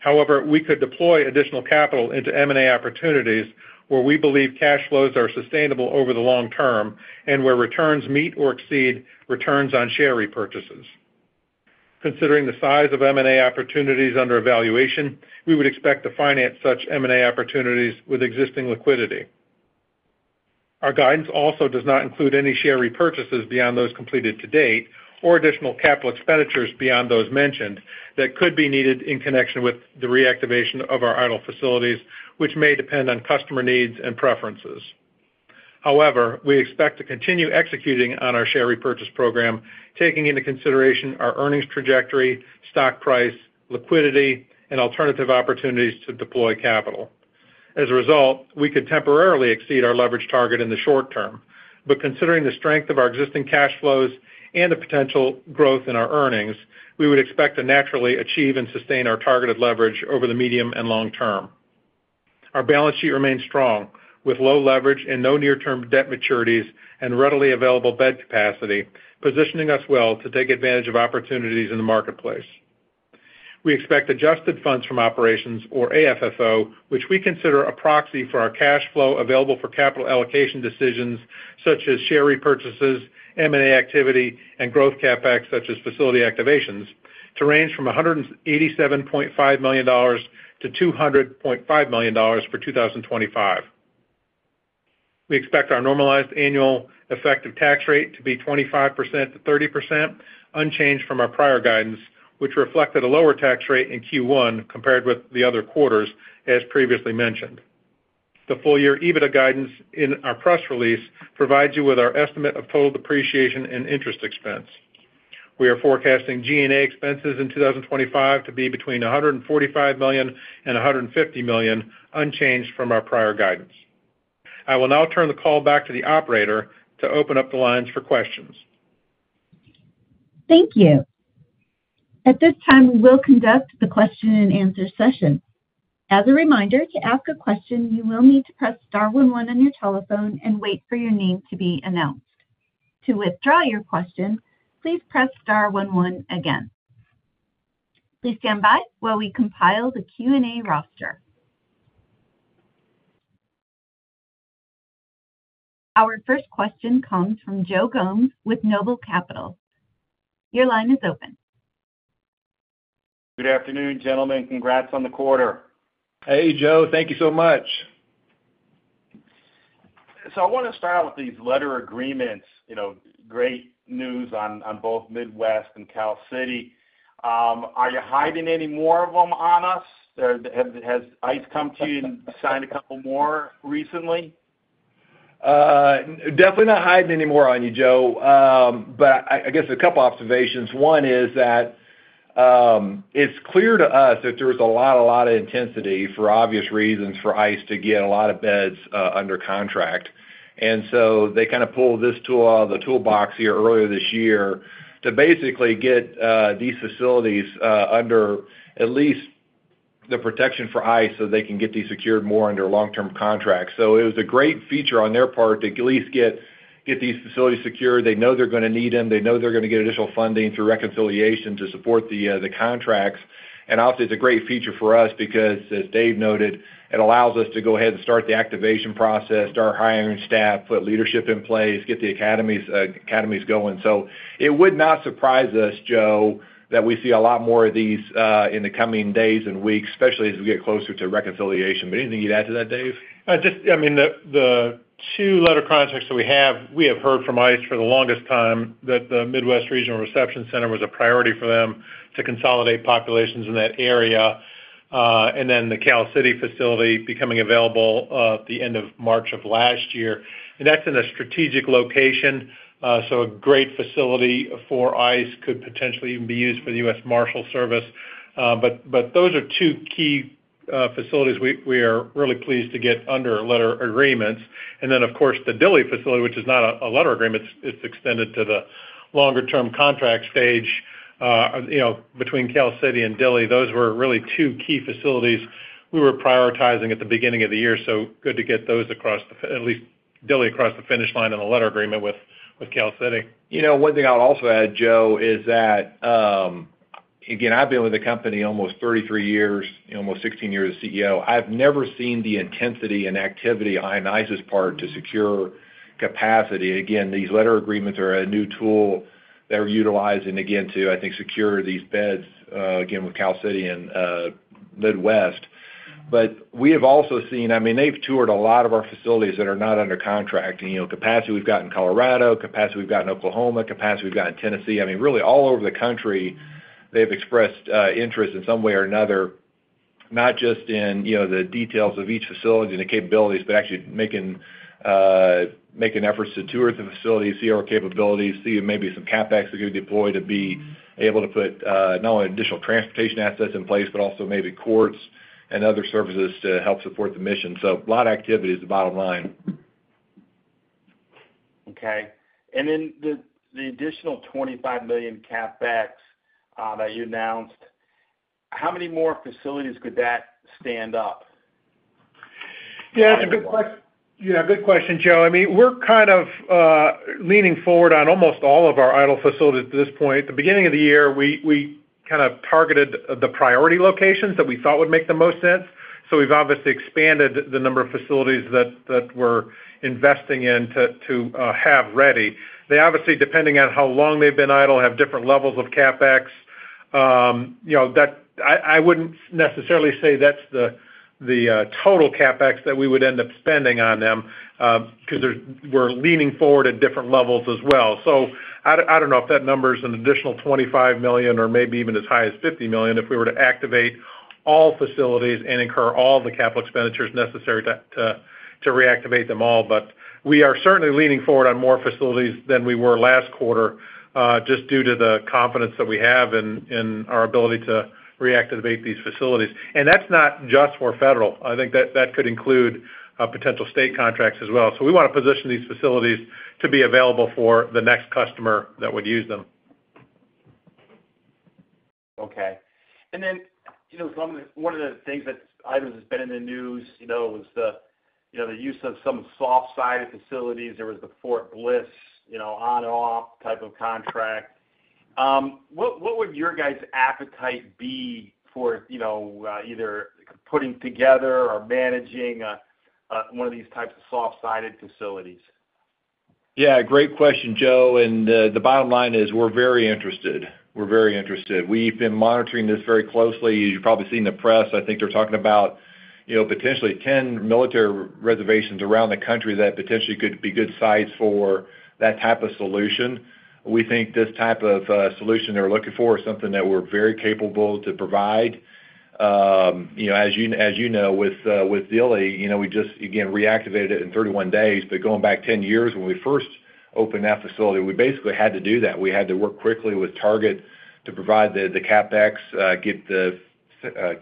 However, we could deploy additional capital into M&A opportunities where we believe cash flows are sustainable over the long term and where returns meet or exceed returns on share repurchases. Considering the size of M&A opportunities under evaluation, we would expect to finance such M&A opportunities with existing liquidity. Our guidance also does not include any share repurchases beyond those completed to date or additional capital expenditures beyond those mentioned that could be needed in connection with the reactivation of our idle facilities, which may depend on customer needs and preferences. However, we expect to continue executing on our share repurchase program, taking into consideration our earnings trajectory, stock price, liquidity, and alternative opportunities to deploy capital. As a result, we could temporarily exceed our leverage target in the short term. Considering the strength of our existing cash flows and the potential growth in our earnings, we would expect to naturally achieve and sustain our targeted leverage over the medium and long term. Our balance sheet remains strong, with low leverage and no near-term debt maturities and readily available bed capacity, positioning us well to take advantage of opportunities in the marketplace. We expect adjusted funds from operations, or AFFO, which we consider a proxy for our cash flow available for capital allocation decisions such as share repurchases, M&A activity, and growth CapEx such as facility activations, to range from $187.5 million-$200.5 million for 2025. We expect our normalized annual effective tax rate to be 25%-30%, unchanged from our prior guidance, which reflected a lower tax rate in Q1 compared with the other quarters, as previously mentioned. The full year EBITDA guidance in our press release provides you with our estimate of total depreciation and interest expense. We are forecasting G&A expenses in 2025 to be between $145 million and $150 million, unchanged from our prior guidance. I will now turn the call back to the operator to open up the lines for questions. Thank you. At this time, we will conduct the question-and-answer session. As a reminder, to ask a question, you will need to press star 11 on your telephone and wait for your name to be announced. To withdraw your question, please press star 11 again. Please stand by while we compile the Q&A roster. Our first question comes from Joe Gomes with Noble Capital. Your line is open. Good afternoon, gentlemen. Congrats on the quarter. Hey, Joe. Thank you so much. So I want to start out with these letter agreements, great news on both Midwest and Cal City. Are you hiding any more of them on us? Has ICE come to you and signed a couple more recently? Definitely not hiding any more on you, Joe. I guess a couple of observations. One is that it's clear to us that there was a lot, a lot of intensity for obvious reasons for ICE to get a lot of beds under contract. They kind of pulled this tool out of the toolbox here earlier this year to basically get these facilities under at least the protection for ICE so they can get these secured more under long-term contracts. It was a great feature on their part to at least get these facilities secured. They know they're going to need them. They know they're going to get additional funding through reconciliation to support the contracts. Obviously, it's a great feature for us because, as Dave noted, it allows us to go ahead and start the activation process, start hiring staff, put leadership in place, get the academies going. It would not surprise us, Joe, that we see a lot more of these in the coming days and weeks, especially as we get closer to reconciliation. Anything you'd add to that, Dave? I mean, the two letter contracts that we have, we have heard from ICE for the longest time that the Midwest Regional Reception Center was a priority for them to consolidate populations in that area. The Cal City facility becoming available at the end of March of last year is in a strategic location. A great facility for ICE could potentially even be used for the U.S. Marshal Service. Those are two key facilities we are really pleased to get under letter agreements. Of course, the Dilley facility, which is not a letter agreement, is extended to the longer-term contract stage between Cal City and Dilley. Those were really two key facilities we were prioritizing at the beginning of the year. Good to get those across the, at least Dilley across the finish line in the letter agreement with Cal City. You know, one thing I would also add, Joe, is that, again, I've been with the company almost 33 years, almost 16 years as CEO. I've never seen the intensity and activity on ICE's part to secure capacity. Again, these letter agreements are a new tool they're utilizing, again, to, I think, secure these beds, again, with Cal City and Midwest. We have also seen, I mean, they've toured a lot of our facilities that are not under contract. Capacity we've got in Colorado, capacity we've got in Oklahoma, capacity we've got in Tennessee. I mean, really all over the country, they've expressed interest in some way or another, not just in the details of each facility and the capabilities, but actually making efforts to tour the facilities, see our capabilities, see maybe some CapEx that could be deployed to be able to put not only additional transportation assets in place, but also maybe courts and other services to help support the mission. A lot of activity is the bottom line. Okay. The additional $25 million CapEx that you announced, how many more facilities could that stand up? Yeah, that's a good question. Yeah, good question, Joe. I mean, we're kind of leaning forward on almost all of our idle facilities at this point. At the beginning of the year, we kind of targeted the priority locations that we thought would make the most sense. We've obviously expanded the number of facilities that we're investing in to have ready. They obviously, depending on how long they've been idle, have different levels of CapEx. I wouldn't necessarily say that's the total CapEx that we would end up spending on them because we're leaning forward at different levels as well. I don't know if that number is an additional $25 million or maybe even as high as $50 million if we were to activate all facilities and incur all the capital expenditures necessary to reactivate them all. We are certainly leaning forward on more facilities than we were last quarter just due to the confidence that we have in our ability to reactivate these facilities. That's not just for federal. I think that could include potential state contracts as well. We want to position these facilities to be available for the next customer that would use them. Okay. One of the things that's been in the news was the use of some soft-sided facilities. There was the Fort Bliss on-off type of contract. What would your guys' appetite be for either putting together or managing one of these types of soft-sided facilities? Yeah, great question, Joe. The bottom line is we're very interested. We're very interested. We've been monitoring this very closely. You've probably seen the press. I think they're talking about potentially 10 military reservations around the country that potentially could be good sites for that type of solution. We think this type of solution they're looking for is something that we're very capable to provide. As you know, with Dilley, we just, again, reactivated it in 31 days. Going back 10 years when we first opened that facility, we basically had to do that. We had to work quickly with Target to provide the CapEx, get the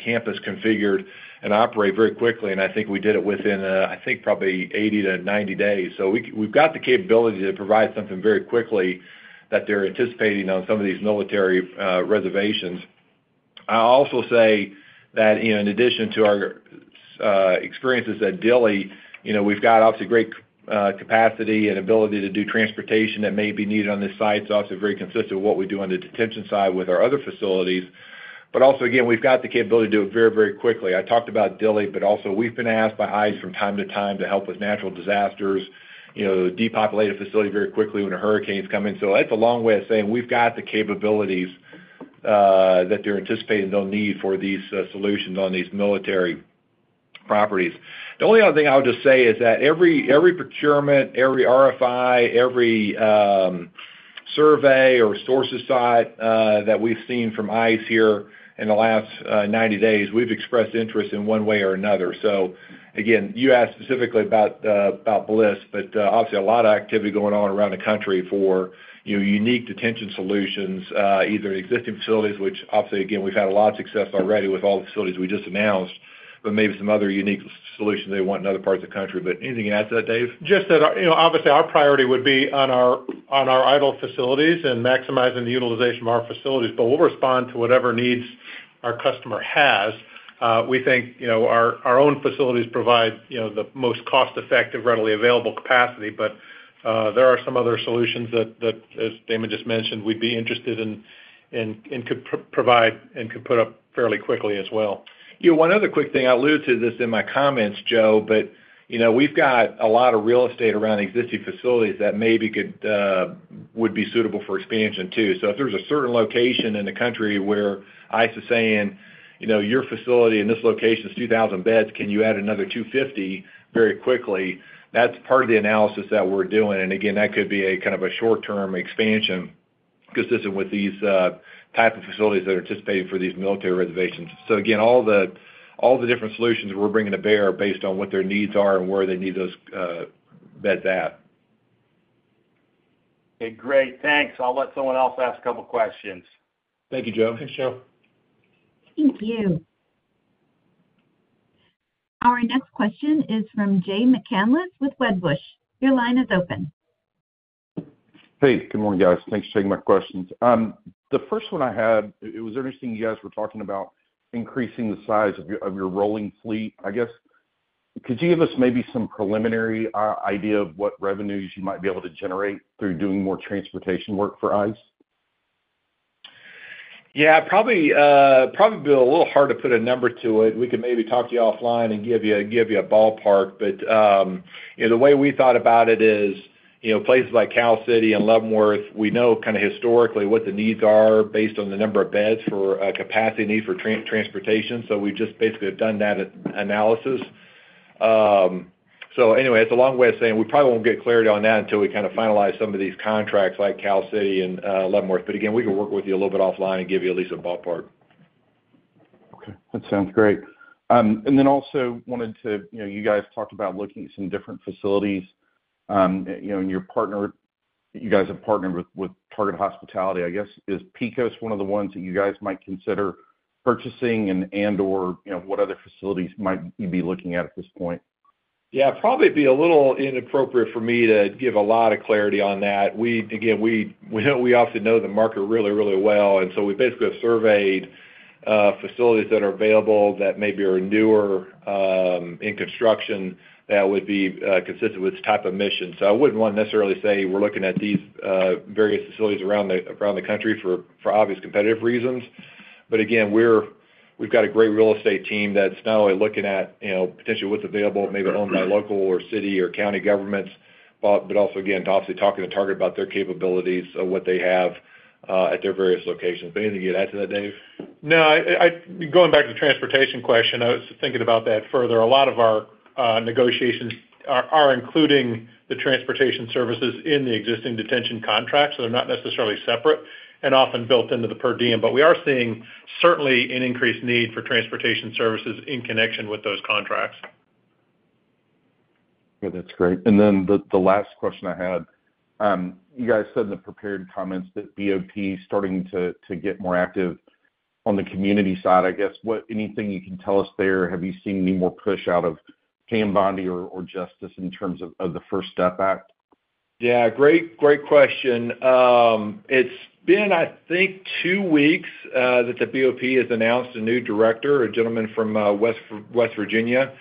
campus configured, and operate very quickly. I think we did it within, I think, probably 80-90 days. We have the capability to provide something very quickly that they're anticipating on some of these military reservations. I'll also say that in addition to our experiences at Dilley, we have obviously great capacity and ability to do transportation that may be needed on this site. It's obviously very consistent with what we do on the detention side with our other facilities. Also, again, we have the capability to do it very, very quickly. I talked about Dilley, but also we've been asked by ICE from time to time to help with natural disasters, depopulate a facility very quickly when a hurricane's coming. That's a long way of saying we've got the capabilities that they're anticipating they'll need for these solutions on these military properties. The only other thing I would just say is that every procurement, every RFI, every survey or sources site that we've seen from ICE here in the last 90 days, we've expressed interest in one way or another. Again, you asked specifically about Bliss, but obviously a lot of activity going on around the country for unique detention solutions, either existing facilities, which obviously, again, we've had a lot of success already with all the facilities we just announced, but maybe some other unique solutions they want in other parts of the country. Anything you'd add to that, Dave? Just that obviously our priority would be on our idle facilities and maximizing the utilization of our facilities. We'll respond to whatever needs our customer has. We think our own facilities provide the most cost-effective, readily available capacity. There are some other solutions that, as Damon just mentioned, we'd be interested in and could provide and could put up fairly quickly as well. One other quick thing. I alluded to this in my comments, Joe, but we've got a lot of real estate around existing facilities that maybe would be suitable for expansion too. If there's a certain location in the country where ICE is saying, "Your facility in this location is 2,000 beds. Can you add another 250 very quickly?" that's part of the analysis that we're doing. That could be a kind of a short-term expansion consistent with these types of facilities that are anticipated for these military reservations. All the different solutions we are bringing to bear are based on what their needs are and where they need those beds at. Okay. Great. Thanks. I will let someone else ask a couple of questions. Thank you, Joe. Thanks, Joe. Thank you. Our next question is from Jay McCanless with Wedbush. Your line is open. Hey, good morning, guys. Thanks for taking my questions. The first one I had, it was interesting you guys were talking about increasing the size of your rolling fleet. I guess, could you give us maybe some preliminary idea of what revenues you might be able to generate through doing more transportation work for ICE? Yeah, probably be a little hard to put a number to it. We could maybe talk to you offline and give you a ballpark. The way we thought about it is places like Cal City and Leavenworth, we know kind of historically what the needs are based on the number of beds for capacity need for transportation. We have just basically done that analysis. Anyway, it is a long way of saying we probably will not get clarity on that until we kind of finalize some of these contracts like Cal City and Leavenworth. Again, we can work with you a little bit offline and give you at least a ballpark. Okay. That sounds great. I also wanted to, you guys talked about looking at some different facilities. Your partner, you guys have partnered with Target Hospitality, I guess. Is Pecos one of the ones that you guys might consider purchasing and/or what other facilities might you be looking at at this point? Yeah, probably be a little inappropriate for me to give a lot of clarity on that. Again, we obviously know the market really, really well. We basically have surveyed facilities that are available that maybe are newer in construction that would be consistent with type of mission. I would not want to necessarily say we are looking at these various facilities around the country for obvious competitive reasons. Again, we have got a great real estate team that is not only looking at potentially what is available, maybe owned by local or city or county governments, but also, again, obviously talking to Target about their capabilities of what they have at their various locations. Anything you would add to that, Dave? No, going back to the transportation question, I was thinking about that further. A lot of our negotiations are including the transportation services in the existing detention contracts. They're not necessarily separate and often built into the per diem. We are seeing certainly an increased need for transportation services in connection with those contracts. That's great. The last question I had, you guys said in the prepared comments that BOP is starting to get more active on the community side. I guess, anything you can tell us there? Have you seen any more push out of Pam Bondi or Justice in terms of the First Step Act? Yeah, great question. It's been, I think, two weeks that the BOP has announced a new director, a gentleman from West Virginia.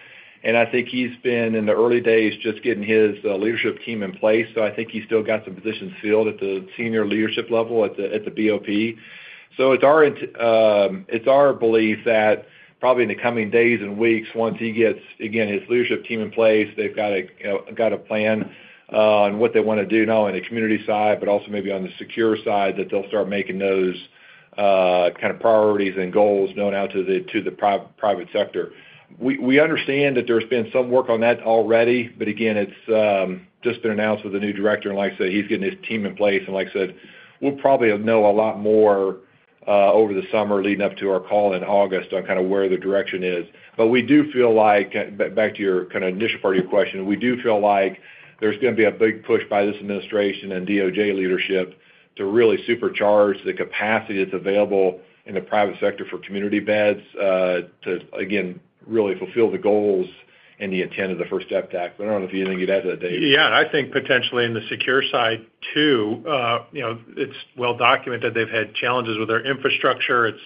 I think he's been in the early days just getting his leadership team in place. I think he's still got some positions filled at the senior leadership level at the BOP. It is our belief that probably in the coming days and weeks, once he gets, again, his leadership team in place, they've got a plan on what they want to do not only on the community side, but also maybe on the secure side that they'll start making those kind of priorities and goals known out to the private sector. We understand that there's been some work on that already. Again, it has just been announced with the new director. Like I said, he's getting his team in place. Like I said, we'll probably know a lot more over the summer leading up to our call in August on kind of where the direction is. We do feel like, back to your kind of initial part of your question, we do feel like there's going to be a big push by this administration and DOJ leadership to really supercharge the capacity that's available in the private sector for community beds to, again, really fulfill the goals and the intent of the First Step Act. I don't know if you didn't get that, Dave. Yeah, I think potentially in the secure side too, it's well documented they've had challenges with their infrastructure. It's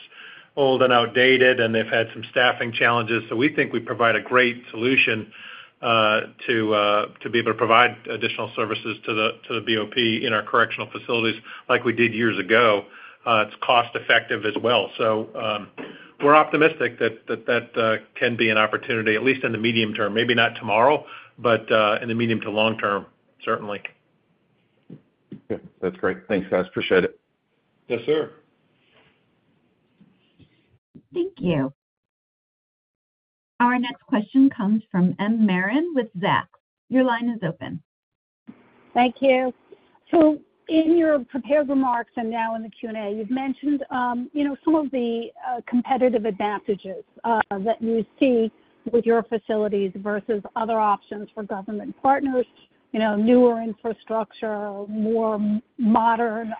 old and outdated, and they've had some staffing challenges. We think we provide a great solution to be able to provide additional services to the BOP in our correctional facilities like we did years ago. It's cost-effective as well. So we're optimistic that that can be an opportunity, at least in the medium term, maybe not tomorrow, but in the medium to long term, certainly. Okay. That's great. Thanks, guys. Appreciate it. Yes, sir. Thank you. Our next question comes from M. Marin with Zacks. Your line is open. Thank you. So in your prepared remarks and now in the Q&A, you've mentioned some of the competitive advantages that you see with your facilities versus other options for government partners, newer infrastructure, more modern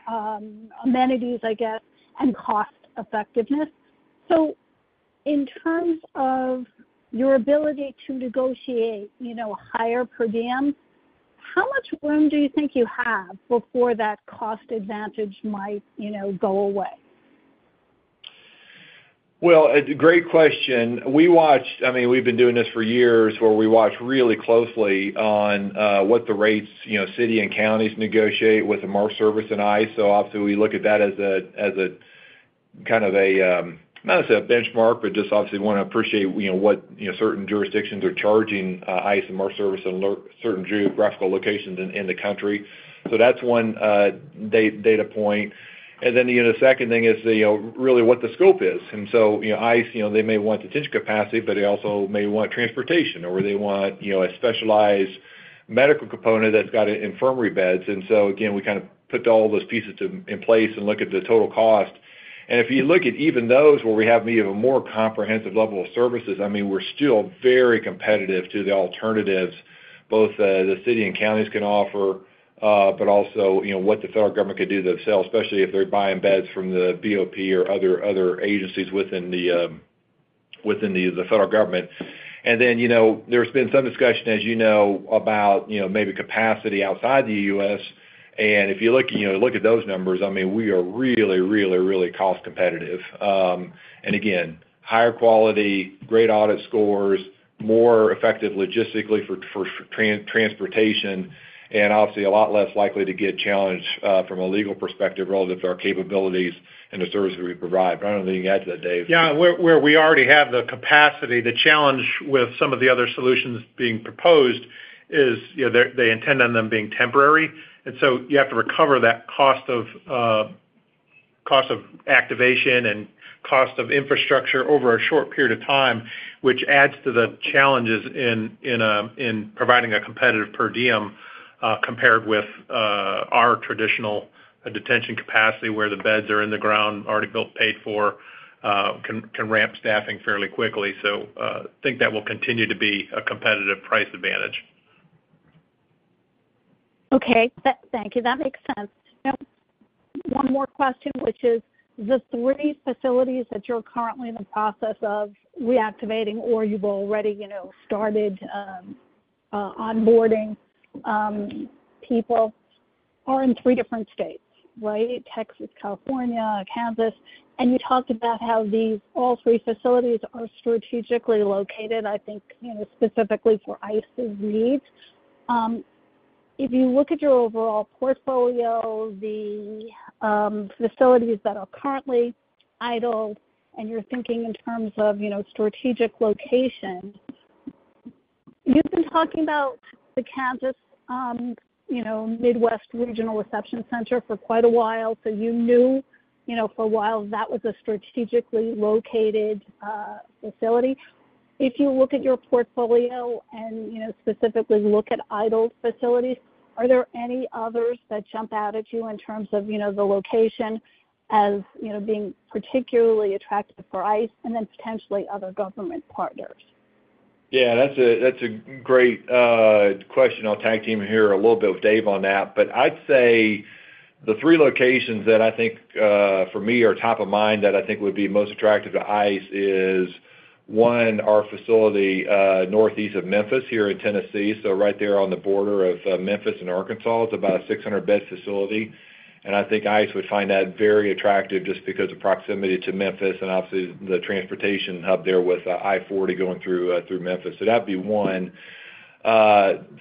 amenities, I guess, and cost-effectiveness. In terms of your ability to negotiate higher per diem, how much room do you think you have before that cost advantage might go away? Great question. I mean, we've been doing this for years where we watch really closely on what the rates city and counties negotiate with the MERS service and ICE. Obviously, we look at that as a kind of a, not necessarily a benchmark, but just obviously want to appreciate what certain jurisdictions are charging ICE and MERS service in certain geographical locations in the country. That's one data point. The second thing is really what the scope is. ICE, they may want detention capacity, but they also may want transportation, or they want a specialized medical component that's got infirmary beds. Again, we kind of put all those pieces in place and look at the total cost. If you look at even those where we have maybe a more comprehensive level of services, I mean, we're still very competitive to the alternatives both the city and counties can offer, but also what the federal government could do themselves, especially if they're buying beds from the BOP or other agencies within the federal government. There has been some discussion, as you know, about maybe capacity outside the U.S. If you look at those numbers, I mean, we are really, really, really cost-competitive. Again, higher quality, great audit scores, more effective logistically for transportation, and obviously a lot less likely to get challenged from a legal perspective relative to our capabilities and the services we provide. I don't know if you can add to that, Dave. Yeah, where we already have the capacity, the challenge with some of the other solutions being proposed is they intend on them being temporary. You have to recover that cost of activation and cost of infrastructure over a short period of time, which adds to the challenges in providing a competitive per diem compared with our traditional detention capacity where the beds are in the ground, already built, paid for, can ramp staffing fairly quickly. I think that will continue to be a competitive price advantage. Okay. Thank you. That makes sense. Now, one more question, which is the three facilities that you're currently in the process of reactivating or you've already started onboarding people are in three different states, right? Texas, California, Kansas. You talked about how all three facilities are strategically located, I think specifically for ICE's needs. If you look at your overall portfolio, the facilities that are currently idle, and you're thinking in terms of strategic location, you've been talking about the Kansas Midwest Regional Reception Center for quite a while. You knew for a while that was a strategically located facility. If you look at your portfolio and specifically look at idle facilities, are there any others that jump out at you in terms of the location as being particularly attractive for ICE and then potentially other government partners? Yeah, that's a great question. I'll tag team here a little bit with Dave on that. I'd say the three locations that I think for me are top of mind that I think would be most attractive to ICE is, one, our facility northeast of Memphis here in Tennessee. Right there on the border of Memphis and Arkansas, it's about a 600-bed facility. I think ICE would find that very attractive just because of proximity to Memphis and obviously the transportation hub there with I-40 going through Memphis. That would be one.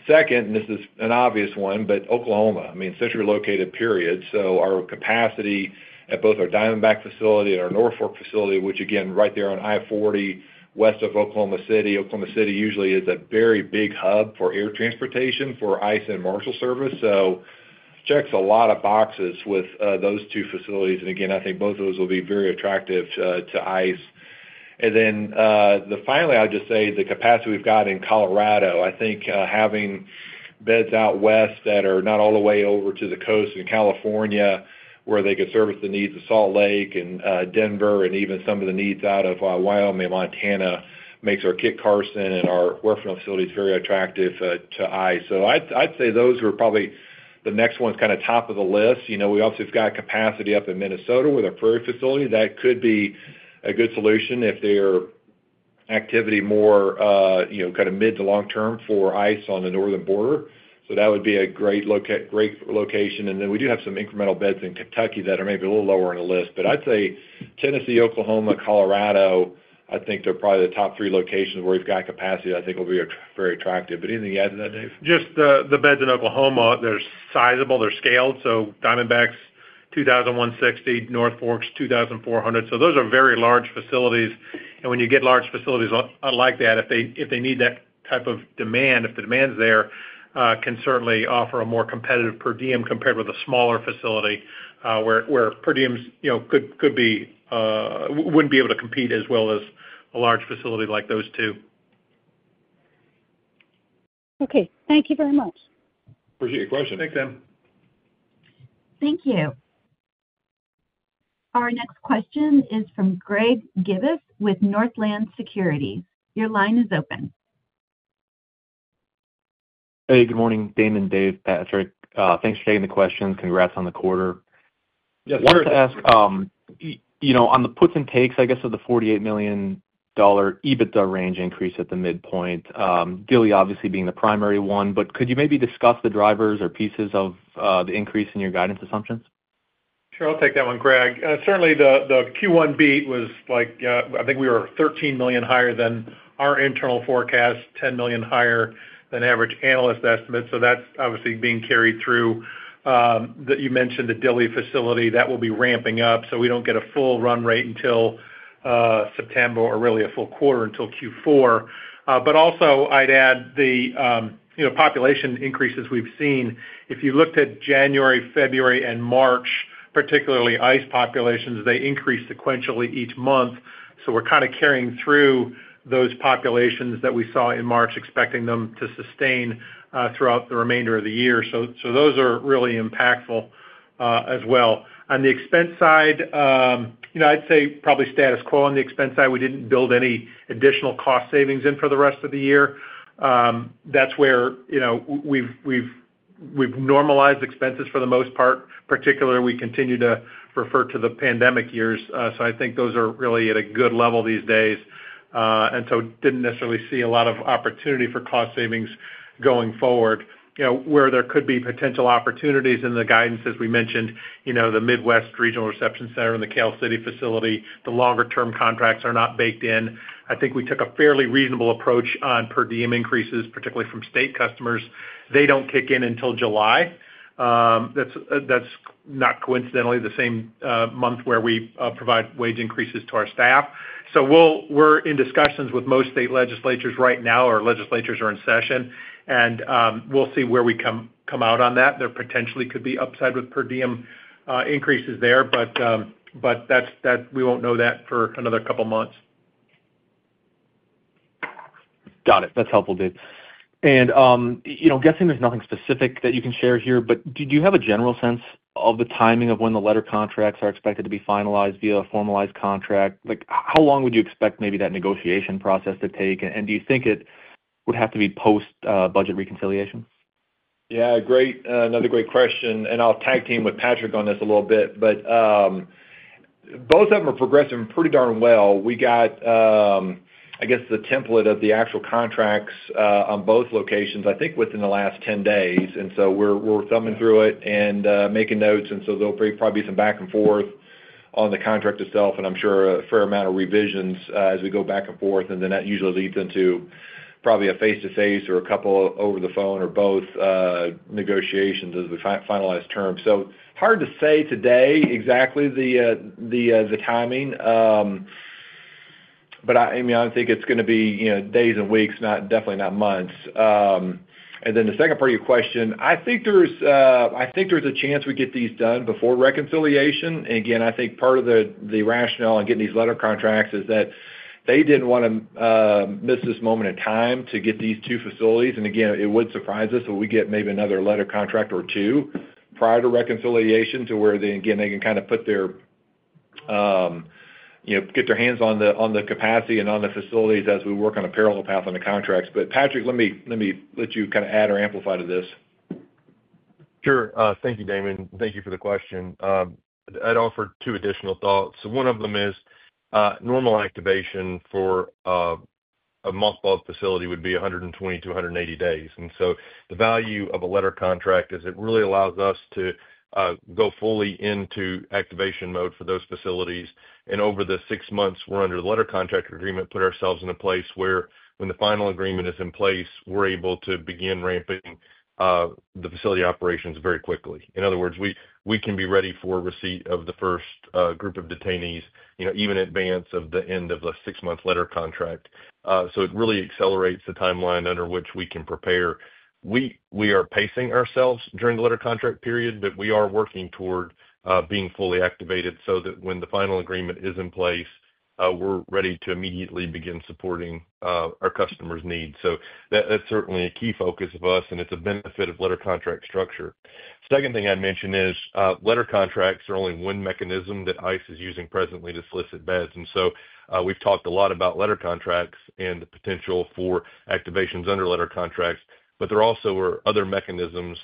Second, and this is an obvious one, Oklahoma. I mean, centrally located, period. Our capacity at both our Diamondback facility and our Norfolk facility, which again, right there on I-40 west of Oklahoma City. Oklahoma City usually is a very big hub for air transportation for ICE and Marshall service. It checks a lot of boxes with those two facilities. I think both of those will be very attractive to ICE. Finally, I would just say the capacity we've got in Colorado, I think having beds out west that are not all the way over to the coast in California where they could service the needs of Salt Lake and Denver and even some of the needs out of Wyoming, Montana makes our Kit Carson and our WorkFront facilities very attractive to ICE. I'd say those are probably the next ones kind of top of the list. We obviously have got capacity up in Minnesota with our Prairie facility. That could be a good solution if there is activity more kind of mid to long term for ICE on the northern border. That would be a great location. We do have some incremental beds in Kentucky that are maybe a little lower on the list. I'd say Tennessee, Oklahoma, Colorado, I think they're probably the top three locations where we've got capacity that I think will be very attractive. Anything you add to that, Dave? Just the beds in Oklahoma, they're sizable. They're scaled. So Diamondback's 2,160, North Fork's 2,400. Those are very large facilities. When you get large facilities like that, if they need that type of demand, if the demand's there, can certainly offer a more competitive per diem compared with a smaller facility where per diems wouldn't be able to compete as well as a large facility like those two. Okay. Thank you very much. Appreciate your question. Thanks, Sam. Thank you. Our next question is from Greg Gibas with Northland Securities. Your line is open. Hey, good morning. Damon, Dave, Patrick. Thanks for taking the question. Congrats on the quarter. Yes, sir. Wanted to ask, on the puts and takes, I guess, of the $48 million EBITDA range increase at the midpoint, Dilley obviously being the primary one, but could you maybe discuss the drivers or pieces of the increase in your guidance assumptions? Sure. I'll take that one, Greg. Certainly, the Q1 beat was like, I think we were $13 million higher than our internal forecast, $10 million higher than average analyst estimates. So that's obviously being carried through that you mentioned the Dilley facility. That will be ramping up. We do not get a full run rate until September or really a full quarter until Q4. Also, I'd add the population increases we've seen. If you looked at January, February, and March, particularly ICE populations, they increased sequentially each month. We're kind of carrying through those populations that we saw in March, expecting them to sustain throughout the remainder of the year. Those are really impactful as well. On the expense side, I'd say probably status quo on the expense side. We didn't build any additional cost savings in for the rest of the year. That's where we've normalized expenses for the most part, particularly we continue to refer to the pandemic years. I think those are really at a good level these days. Didn't necessarily see a lot of opportunity for cost savings going forward. Where there could be potential opportunities in the guidance, as we mentioned, the Midwest Regional Reception Center and the Kell City facility, the longer-term contracts are not baked in. I think we took a fairly reasonable approach on per diem increases, particularly from state customers. They don't kick in until July. That's not coincidentally the same month where we provide wage increases to our staff. We are in discussions with most state legislatures right now, or legislatures are in session. We will see where we come out on that. There potentially could be upside with per diem increases there, but we won't know that for another couple of months. Got it. That's helpful, Dave. Guessing there's nothing specific that you can share here, but do you have a general sense of the timing of when the letter contracts are expected to be finalized via a formalized contract? How long would you expect maybe that negotiation process to take? Do you think it would have to be post-budget reconciliation? Yeah. Another great question. I'll tag team with Patrick on this a little bit. Both of them are progressing pretty darn well. We got, I guess, the template of the actual contracts on both locations, I think within the last 10 days. We are thumbing through it and making notes. There will probably be some back and forth on the contract itself, and I am sure a fair amount of revisions as we go back and forth. That usually leads into probably a face-to-face or a couple over the phone or both negotiations as we finalize terms. It is hard to say today exactly the timing. I mean, I think it is going to be days and weeks, definitely not months. The second part of your question, I think there is a chance we get these done before reconciliation. Again, I think part of the rationale in getting these letter contracts is that they did not want to miss this moment in time to get these two facilities. It would surprise us if we get maybe another letter contract or two prior to reconciliation to where they can kind of get their hands on the capacity and on the facilities as we work on a parallel path on the contracts. Patrick, let me let you kind of add or amplify to this. Sure. Thank you, Damon. Thank you for the question. I'd offer two additional thoughts. One of them is normal activation for a Mossball facility would be 120-180 days. The value of a letter contract is it really allows us to go fully into activation mode for those facilities. Over the six months we're under the letter contract agreement, we put ourselves in a place where when the final agreement is in place, we're able to begin ramping the facility operations very quickly. In other words, we can be ready for receipt of the first group of detainees even in advance of the end of the six-month letter contract. It really accelerates the timeline under which we can prepare. We are pacing ourselves during the letter contract period, but we are working toward being fully activated so that when the final agreement is in place, we're ready to immediately begin supporting our customers' needs. That is certainly a key focus of us, and it's a benefit of letter contract structure. The second thing I'd mention is letter contracts are only one mechanism that ICE is using presently to solicit beds. We've talked a lot about letter contracts and the potential for activations under letter contracts, but there also are other mechanisms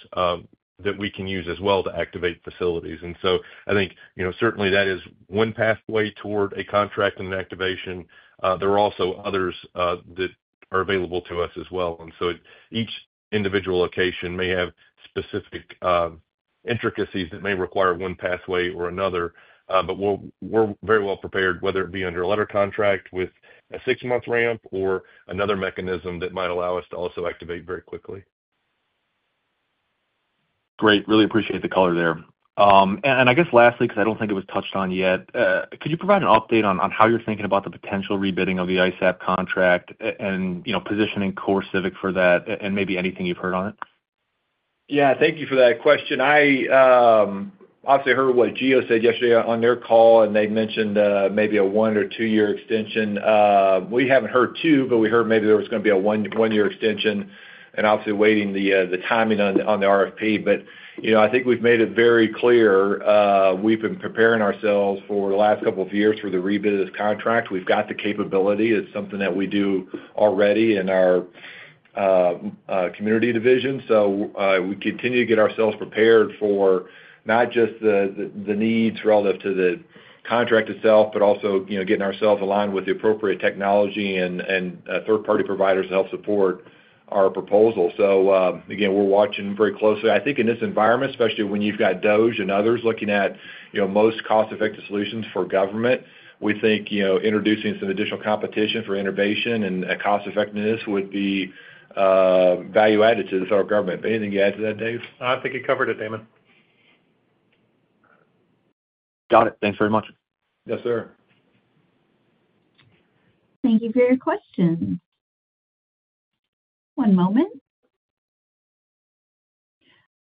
that we can use as well to activate facilities. I think certainly that is one pathway toward a contract and an activation. There are also others that are available to us as well. Each individual location may have specific intricacies that may require one pathway or another. We are very well prepared, whether it be under a letter contract with a six-month ramp or another mechanism that might allow us to also activate very quickly. Great. Really appreciate the color there. I guess lastly, because I do not think it was touched on yet, could you provide an update on how you are thinking about the potential rebidding of the ICE app contract and positioning CoreCivic for that and maybe anything you have heard on it? Yeah. Thank you for that question. I obviously heard what GEO said yesterday on their call, and they mentioned maybe a one or two-year extension. We have not heard two, but we heard maybe there was going to be a one-year extension and obviously waiting the timing on the RFP. I think we have made it very clear we have been preparing ourselves for the last couple of years for the rebid of this contract. We have got the capability. It is something that we do already in our community division. We continue to get ourselves prepared for not just the needs relative to the contract itself, but also getting ourselves aligned with the appropriate technology and third-party providers to help support our proposal. Again, we are watching very closely. I think in this environment, especially when you have got DOJ and others looking at most cost-effective solutions for government, we think introducing some additional competition for innovation and cost-effectiveness would be value-added to the federal government. Anything you add to that, Dave? I think you covered it, Damon. Got it. Thanks very much. Yes, sir. Thank you for your questions. One moment.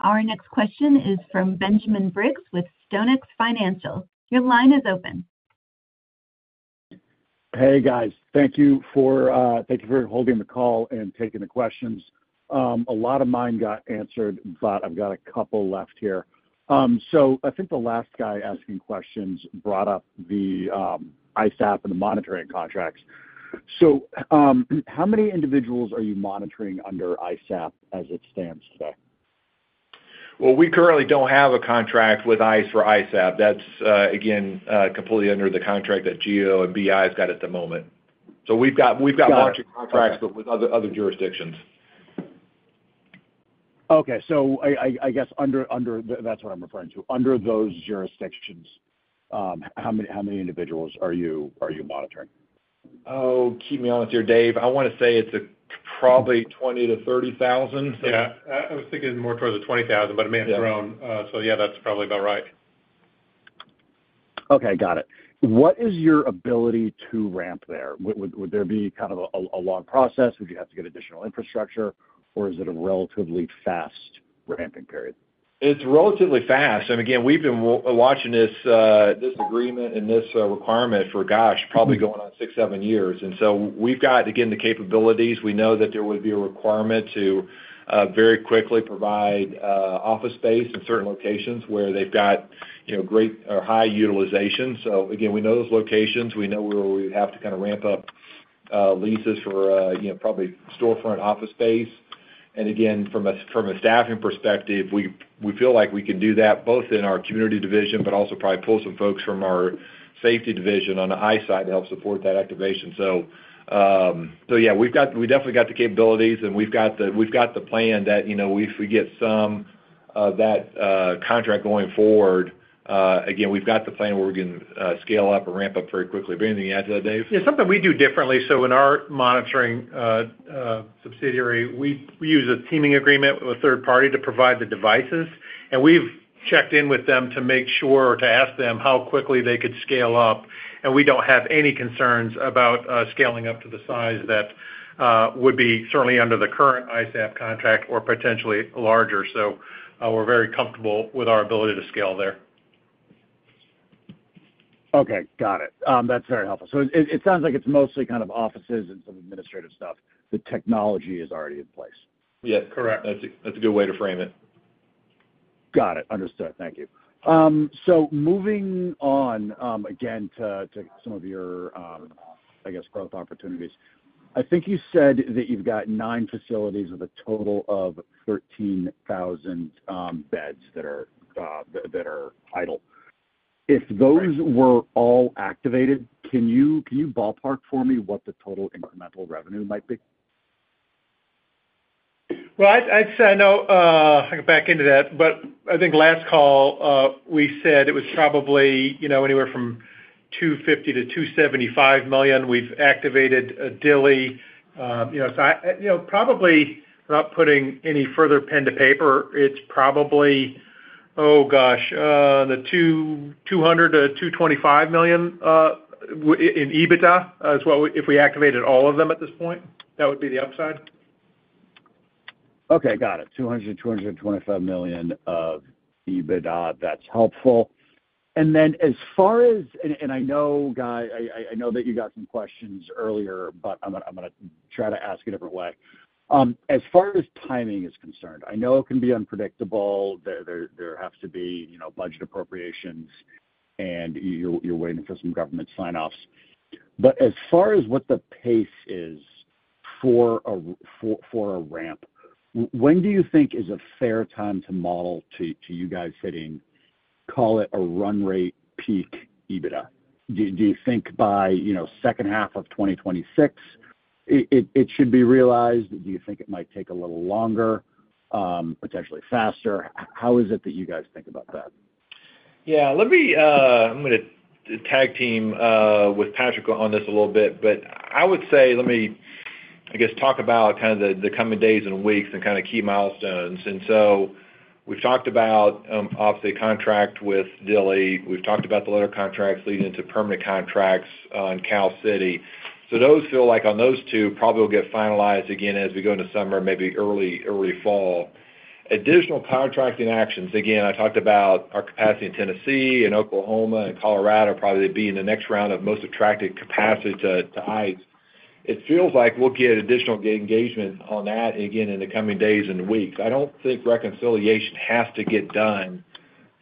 Our next question is from Benjamin Briggs with StoneX Financial. Your line is open. Hey, guys. Thank you for holding the call and taking the questions. A lot of mine got answered, but I've got a couple left here. I think the last guy asking questions brought up the ICE app and the monitoring contracts. How many individuals are you monitoring under ICE app as it stands today? We currently do not have a contract with ICE for ICE app. That is, again, completely under the contract that GEO and BI has got at the moment. We have a bunch of contracts, but with other jurisdictions. Okay. I guess that is what I am referring to. Under those jurisdictions, how many individuals are you monitoring? Oh, keep me honest here, Dave. I want to say it's probably 20,000-30,000. Yeah. I was thinking more towards the 20,000, but it may have thrown. Yeah, that's probably about right. Okay. Got it. What is your ability to ramp there? Would there be kind of a long process? Would you have to get additional infrastructure, or is it a relatively fast ramping period? It's relatively fast. Again, we've been watching this agreement and this requirement for, gosh, probably going on six, seven years. We've got, again, the capabilities. We know that there would be a requirement to very quickly provide office space in certain locations where they've got great or high utilization. Again, we know those locations. We know where we have to kind of ramp up leases for probably storefront office space. From a staffing perspective, we feel like we can do that both in our community division, but also probably pull some folks from our safety division on the ICE side to help support that activation. Yeah, we definitely have the capabilities, and we have the plan that if we get some of that contract going forward, we have the plan where we can scale up or ramp up very quickly. Anything you add to that, Dave? Yeah. Something we do differently. In our monitoring subsidiary, we use a teaming agreement with a third party to provide the devices. We have checked in with them to make sure or to ask them how quickly they could scale up. We do not have any concerns about scaling up to the size that would be certainly under the current ICE app contract or potentially larger. We're very comfortable with our ability to scale there. Okay. Got it. That's very helpful. It sounds like it's mostly kind of offices and some administrative stuff. The technology is already in place. Yeah. Correct. That's a good way to frame it. Got it. Understood. Thank you. Moving on, again, to some of your, I guess, growth opportunities. I think you said that you've got nine facilities with a total of 13,000 beds that are idle. If those were all activated, can you ballpark for me what the total incremental revenue might be? I'd say I know I can back into that. I think last call, we said it was probably anywhere from $250 million-$275 million we've activated at Dilley. Probably without putting any further pen to paper, it's probably, oh gosh, the $200 million-$225 million in EBITDA is what if we activated all of them at this point. That would be the upside. Okay. Got it. $200 million-$225 million of EBITDA. That's helpful. As far as—and I know, guy, I know that you got some questions earlier, but I'm going to try to ask a different way. As far as timing is concerned, I know it can be unpredictable. There have to be budget appropriations, and you're waiting for some government sign-offs. As far as what the pace is for a ramp, when do you think is a fair time to model to you guys hitting, call it a run rate peak EBITDA? Do you think by second half of 2026 it should be realized? Do you think it might take a little longer, potentially faster? How is it that you guys think about that? Yeah. I'm going to tag team with Patrick on this a little bit. I would say, let me, I guess, talk about kind of the coming days and weeks and kind of key milestones. We have talked about off-site contract with Dilley. We have talked about the letter contracts leading into permanent contracts on Cal City. Those feel like on those two, probably will get finalized again as we go into summer, maybe early fall. Additional contracting actions, I talked about our capacity in Tennessee and Oklahoma and Colorado probably being the next round of most attractive capacity to ICE. It feels like we will get additional engagement on that, again, in the coming days and weeks. I don't think reconciliation has to get done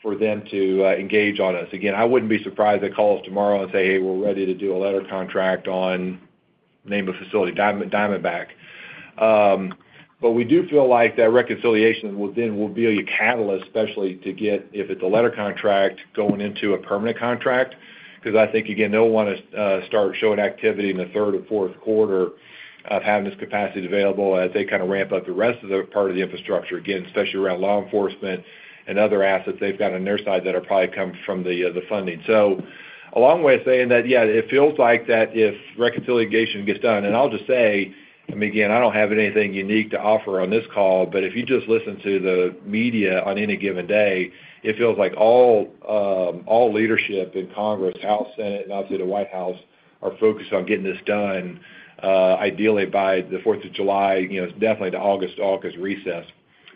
for them to engage on us. Again, I wouldn't be surprised to call us tomorrow and say, "Hey, we're ready to do a letter contract on name of facility, Diamondback." We do feel like that reconciliation will then be a catalyst, especially to get if it's a letter contract going into a permanent contract, because I think, again, they'll want to start showing activity in the third and fourth quarter of having this capacity available as they kind of ramp up the rest of the part of the infrastructure. Again, especially around law enforcement and other assets they've got on their side that are probably coming from the funding. A long way of saying that, yeah, it feels like that if reconciliation gets done, and I'll just say, and again, I don't have anything unique to offer on this call, but if you just listen to the media on any given day, it feels like all leadership in Congress, House, Senate, and obviously the White House are focused on getting this done ideally by the 4th of July, definitely the August-August recess.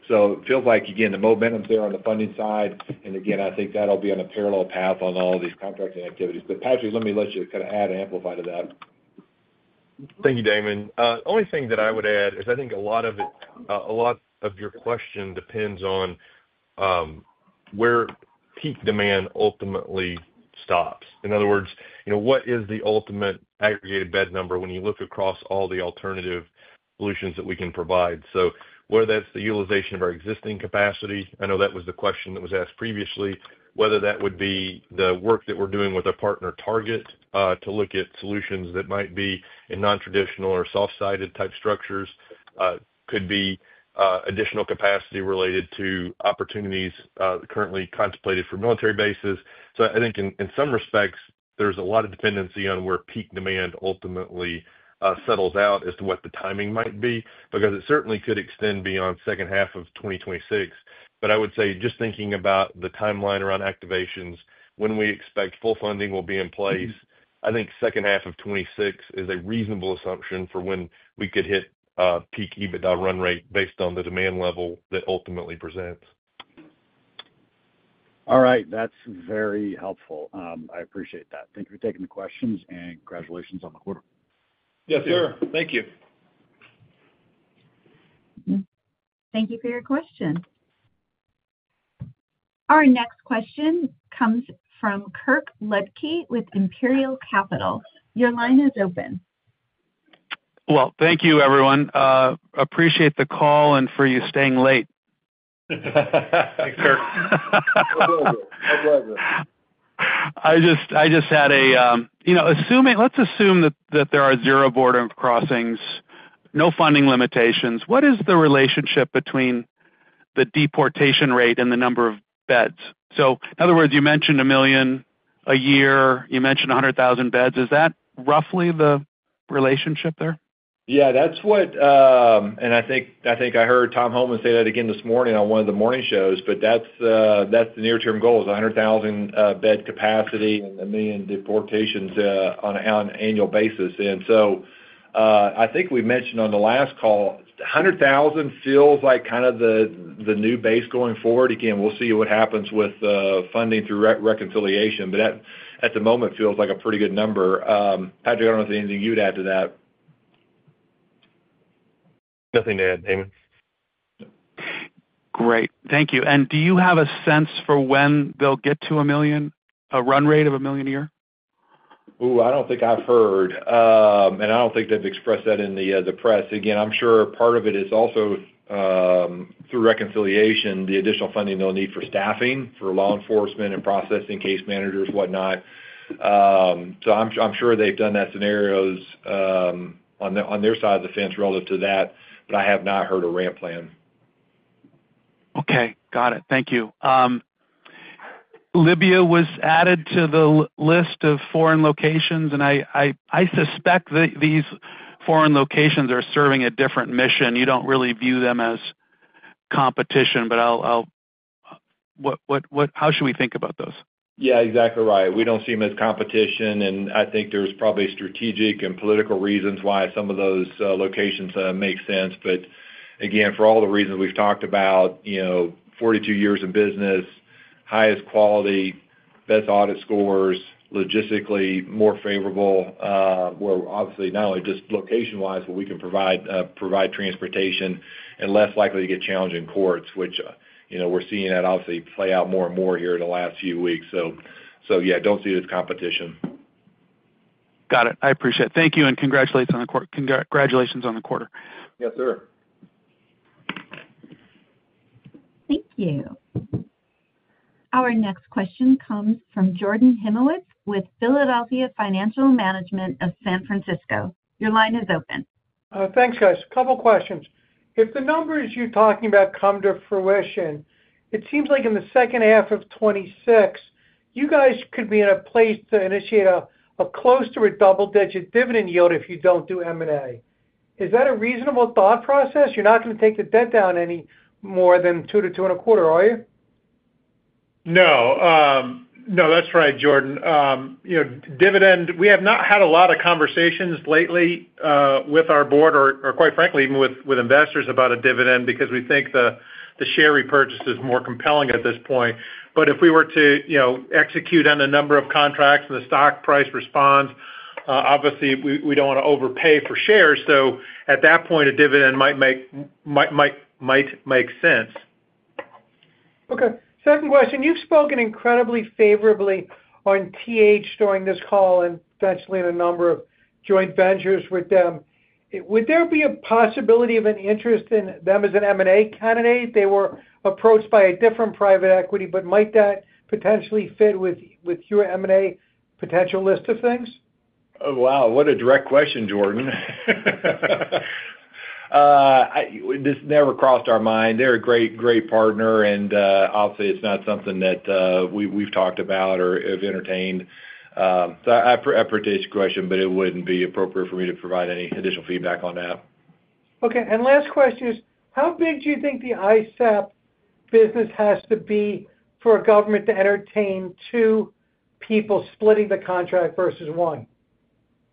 It feels like, again, the momentum's there on the funding side. Again, I think that'll be on a parallel path on all these contracting activities. Patrick, let me let you kind of add and amplify to that. Thank you, Damon. The only thing that I would add is I think a lot of it, a lot of your question depends on where peak demand ultimately stops. In other words, what is the ultimate aggregated bed number when you look across all the alternative solutions that we can provide? Whether that's the utilization of our existing capacity, I know that was the question that was asked previously, whether that would be the work that we're doing with our partner Target Hospitality to look at solutions that might be in non-traditional or soft-sided type structures, could be additional capacity related to opportunities currently contemplated for military bases. I think in some respects, there's a lot of dependency on where peak demand ultimately settles out as to what the timing might be, because it certainly could extend beyond second half of 2026. I would say just thinking about the timeline around activations, when we expect full funding will be in place, I think second half of 2026 is a reasonable assumption for when we could hit peak EBITDA run rate based on the demand level that ultimately presents. All right. That is very helpful. I appreciate that. Thank you for taking the questions, and congratulations on the quarter. Yes, sir. Thank you. Thank you for your question. Our next question comes from Kirk Ludtke with Imperial Capital. Your line is open. Thank you, everyone. Appreciate the call and for you staying late. Thanks, Kirk. My pleasure. My pleasure. I just had a—let's assume that there are zero border crossings, no funding limitations. What is the relationship between the deportation rate and the number of beds? In other words, you mentioned a million a year. You mentioned 100,000 beds. Is that roughly the relationship there? Yeah. I think I heard Tom Holman say that again this morning on one of the morning shows, but that is the near-term goal: 100,000 bed capacity and a million deportations on an annual basis. I think we mentioned on the last call, 100,000 feels like kind of the new base going forward. We will see what happens with funding through reconciliation. At the moment, it feels like a pretty good number. Patrick, I do not know if there is anything you would add to that. Nothing to add, Damon. Great. Thank you. Do you have a sense for when they will get to a million, a run rate of a million a year? Ooh, I do not think I have heard. I do not think they have expressed that in the press. Again, I'm sure part of it is also through reconciliation, the additional funding they'll need for staffing, for law enforcement and processing case managers, whatnot. I'm sure they've done that scenarios on their side of the fence relative to that, but I have not heard a ramp plan. Okay. Got it. Thank you. Libya was added to the list of foreign locations, and I suspect that these foreign locations are serving a different mission. You don't really view them as competition, but how should we think about those? Yeah. Exactly right. We don't see them as competition. I think there's probably strategic and political reasons why some of those locations make sense. But again, for all the reasons we've talked about, 42 years in business, highest quality, best audit scores, logistically more favorable, where obviously not only just location-wise, but we can provide transportation and less likely to get challenged in courts, which we're seeing that obviously play out more and more here in the last few weeks. Yeah, don't see it as competition. Got it. I appreciate it. Thank you. Congratulations on the quarter. Yes, sir. Thank you. Our next question comes from Jordan Hymowitz with Philadelphia Financial Management of San Francisco. Your line is open. Thanks, guys. A couple of questions. If the numbers you're talking about come to fruition, it seems like in the second half of 2026, you guys could be in a place to initiate a closer to a double-digit dividend yield if you don't do M&A. Is that a reasonable thought process? You're not going to take the debt down any more than two to two and a quarter, are you? No. No, that's right, Jordan. Dividend, we have not had a lot of conversations lately with our board or, quite frankly, even with investors about a dividend because we think the share repurchase is more compelling at this point. If we were to execute on a number of contracts and the stock price responds, obviously, we don't want to overpay for shares. At that point, a dividend might make sense. Okay. Second question. You've spoken incredibly favorably on TH during this call and potentially in a number of joint ventures with them. Would there be a possibility of an interest in them as an M&A candidate? They were approached by a different private equity, but might that potentially fit with your M&A potential list of things? Oh, wow. What a direct question, Jordan. This never crossed our mind. They're a great, great partner. Obviously, it's not something that we've talked about or have entertained. I appreciate your question, but it wouldn't be appropriate for me to provide any additional feedback on that. Okay. Last question is, how big do you think the ICEP business has to be for a government to entertain two people splitting the contract versus one?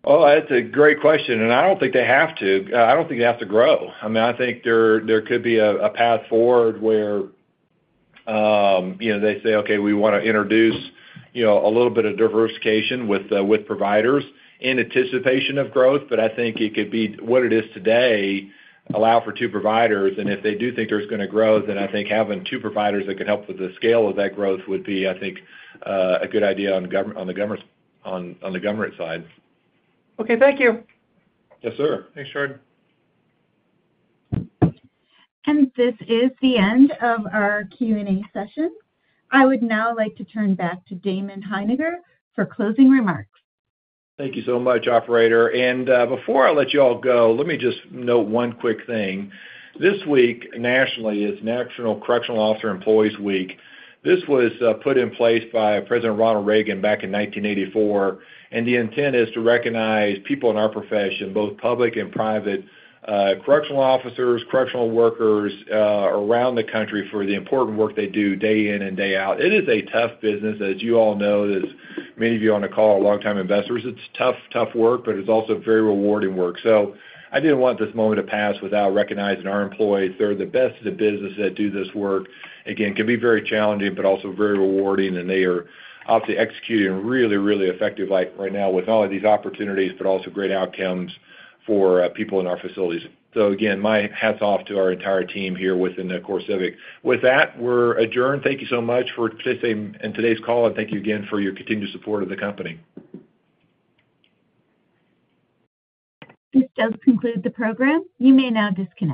Oh, that's a great question. I don't think they have to. I don't think they have to grow. I mean, I think there could be a path forward where they say, "Okay, we want to introduce a little bit of diversification with providers in anticipation of growth." I think it could be what it is today, allow for two providers. If they do think there's going to grow, then I think having two providers that could help with the scale of that growth would be, I think, a good idea on the government side. Okay. Thank you. Yes, sir. Thanks, Jordan. This is the end of our Q&A session. I would now like to turn back to Damon Hininger for closing remarks. Thank you so much, operator. Before I let you all go, let me just note one quick thing. This week nationally is National Correctional Officer Employees Week. This was put in place by President Ronald Reagan back in 1984. The intent is to recognize people in our profession, both public and private, correctional officers, correctional workers around the country for the important work they do day in and day out. It is a tough business, as you all know, as many of you on the call are long-time investors. It's tough, tough work, but it's also very rewarding work. I didn't want this moment to pass without recognizing our employees. They're the best of the business that do this work. It can be very challenging, but also very rewarding. They are obviously executing really, really effectively right now with all of these opportunities, but also great outcomes for people in our facilities. My hats off to our entire team here within CoreCivic. With that, we're adjourned. Thank you so much for participating in today's call. Thank you again for your continued support of the company. This does conclude the program. You may now disconnect.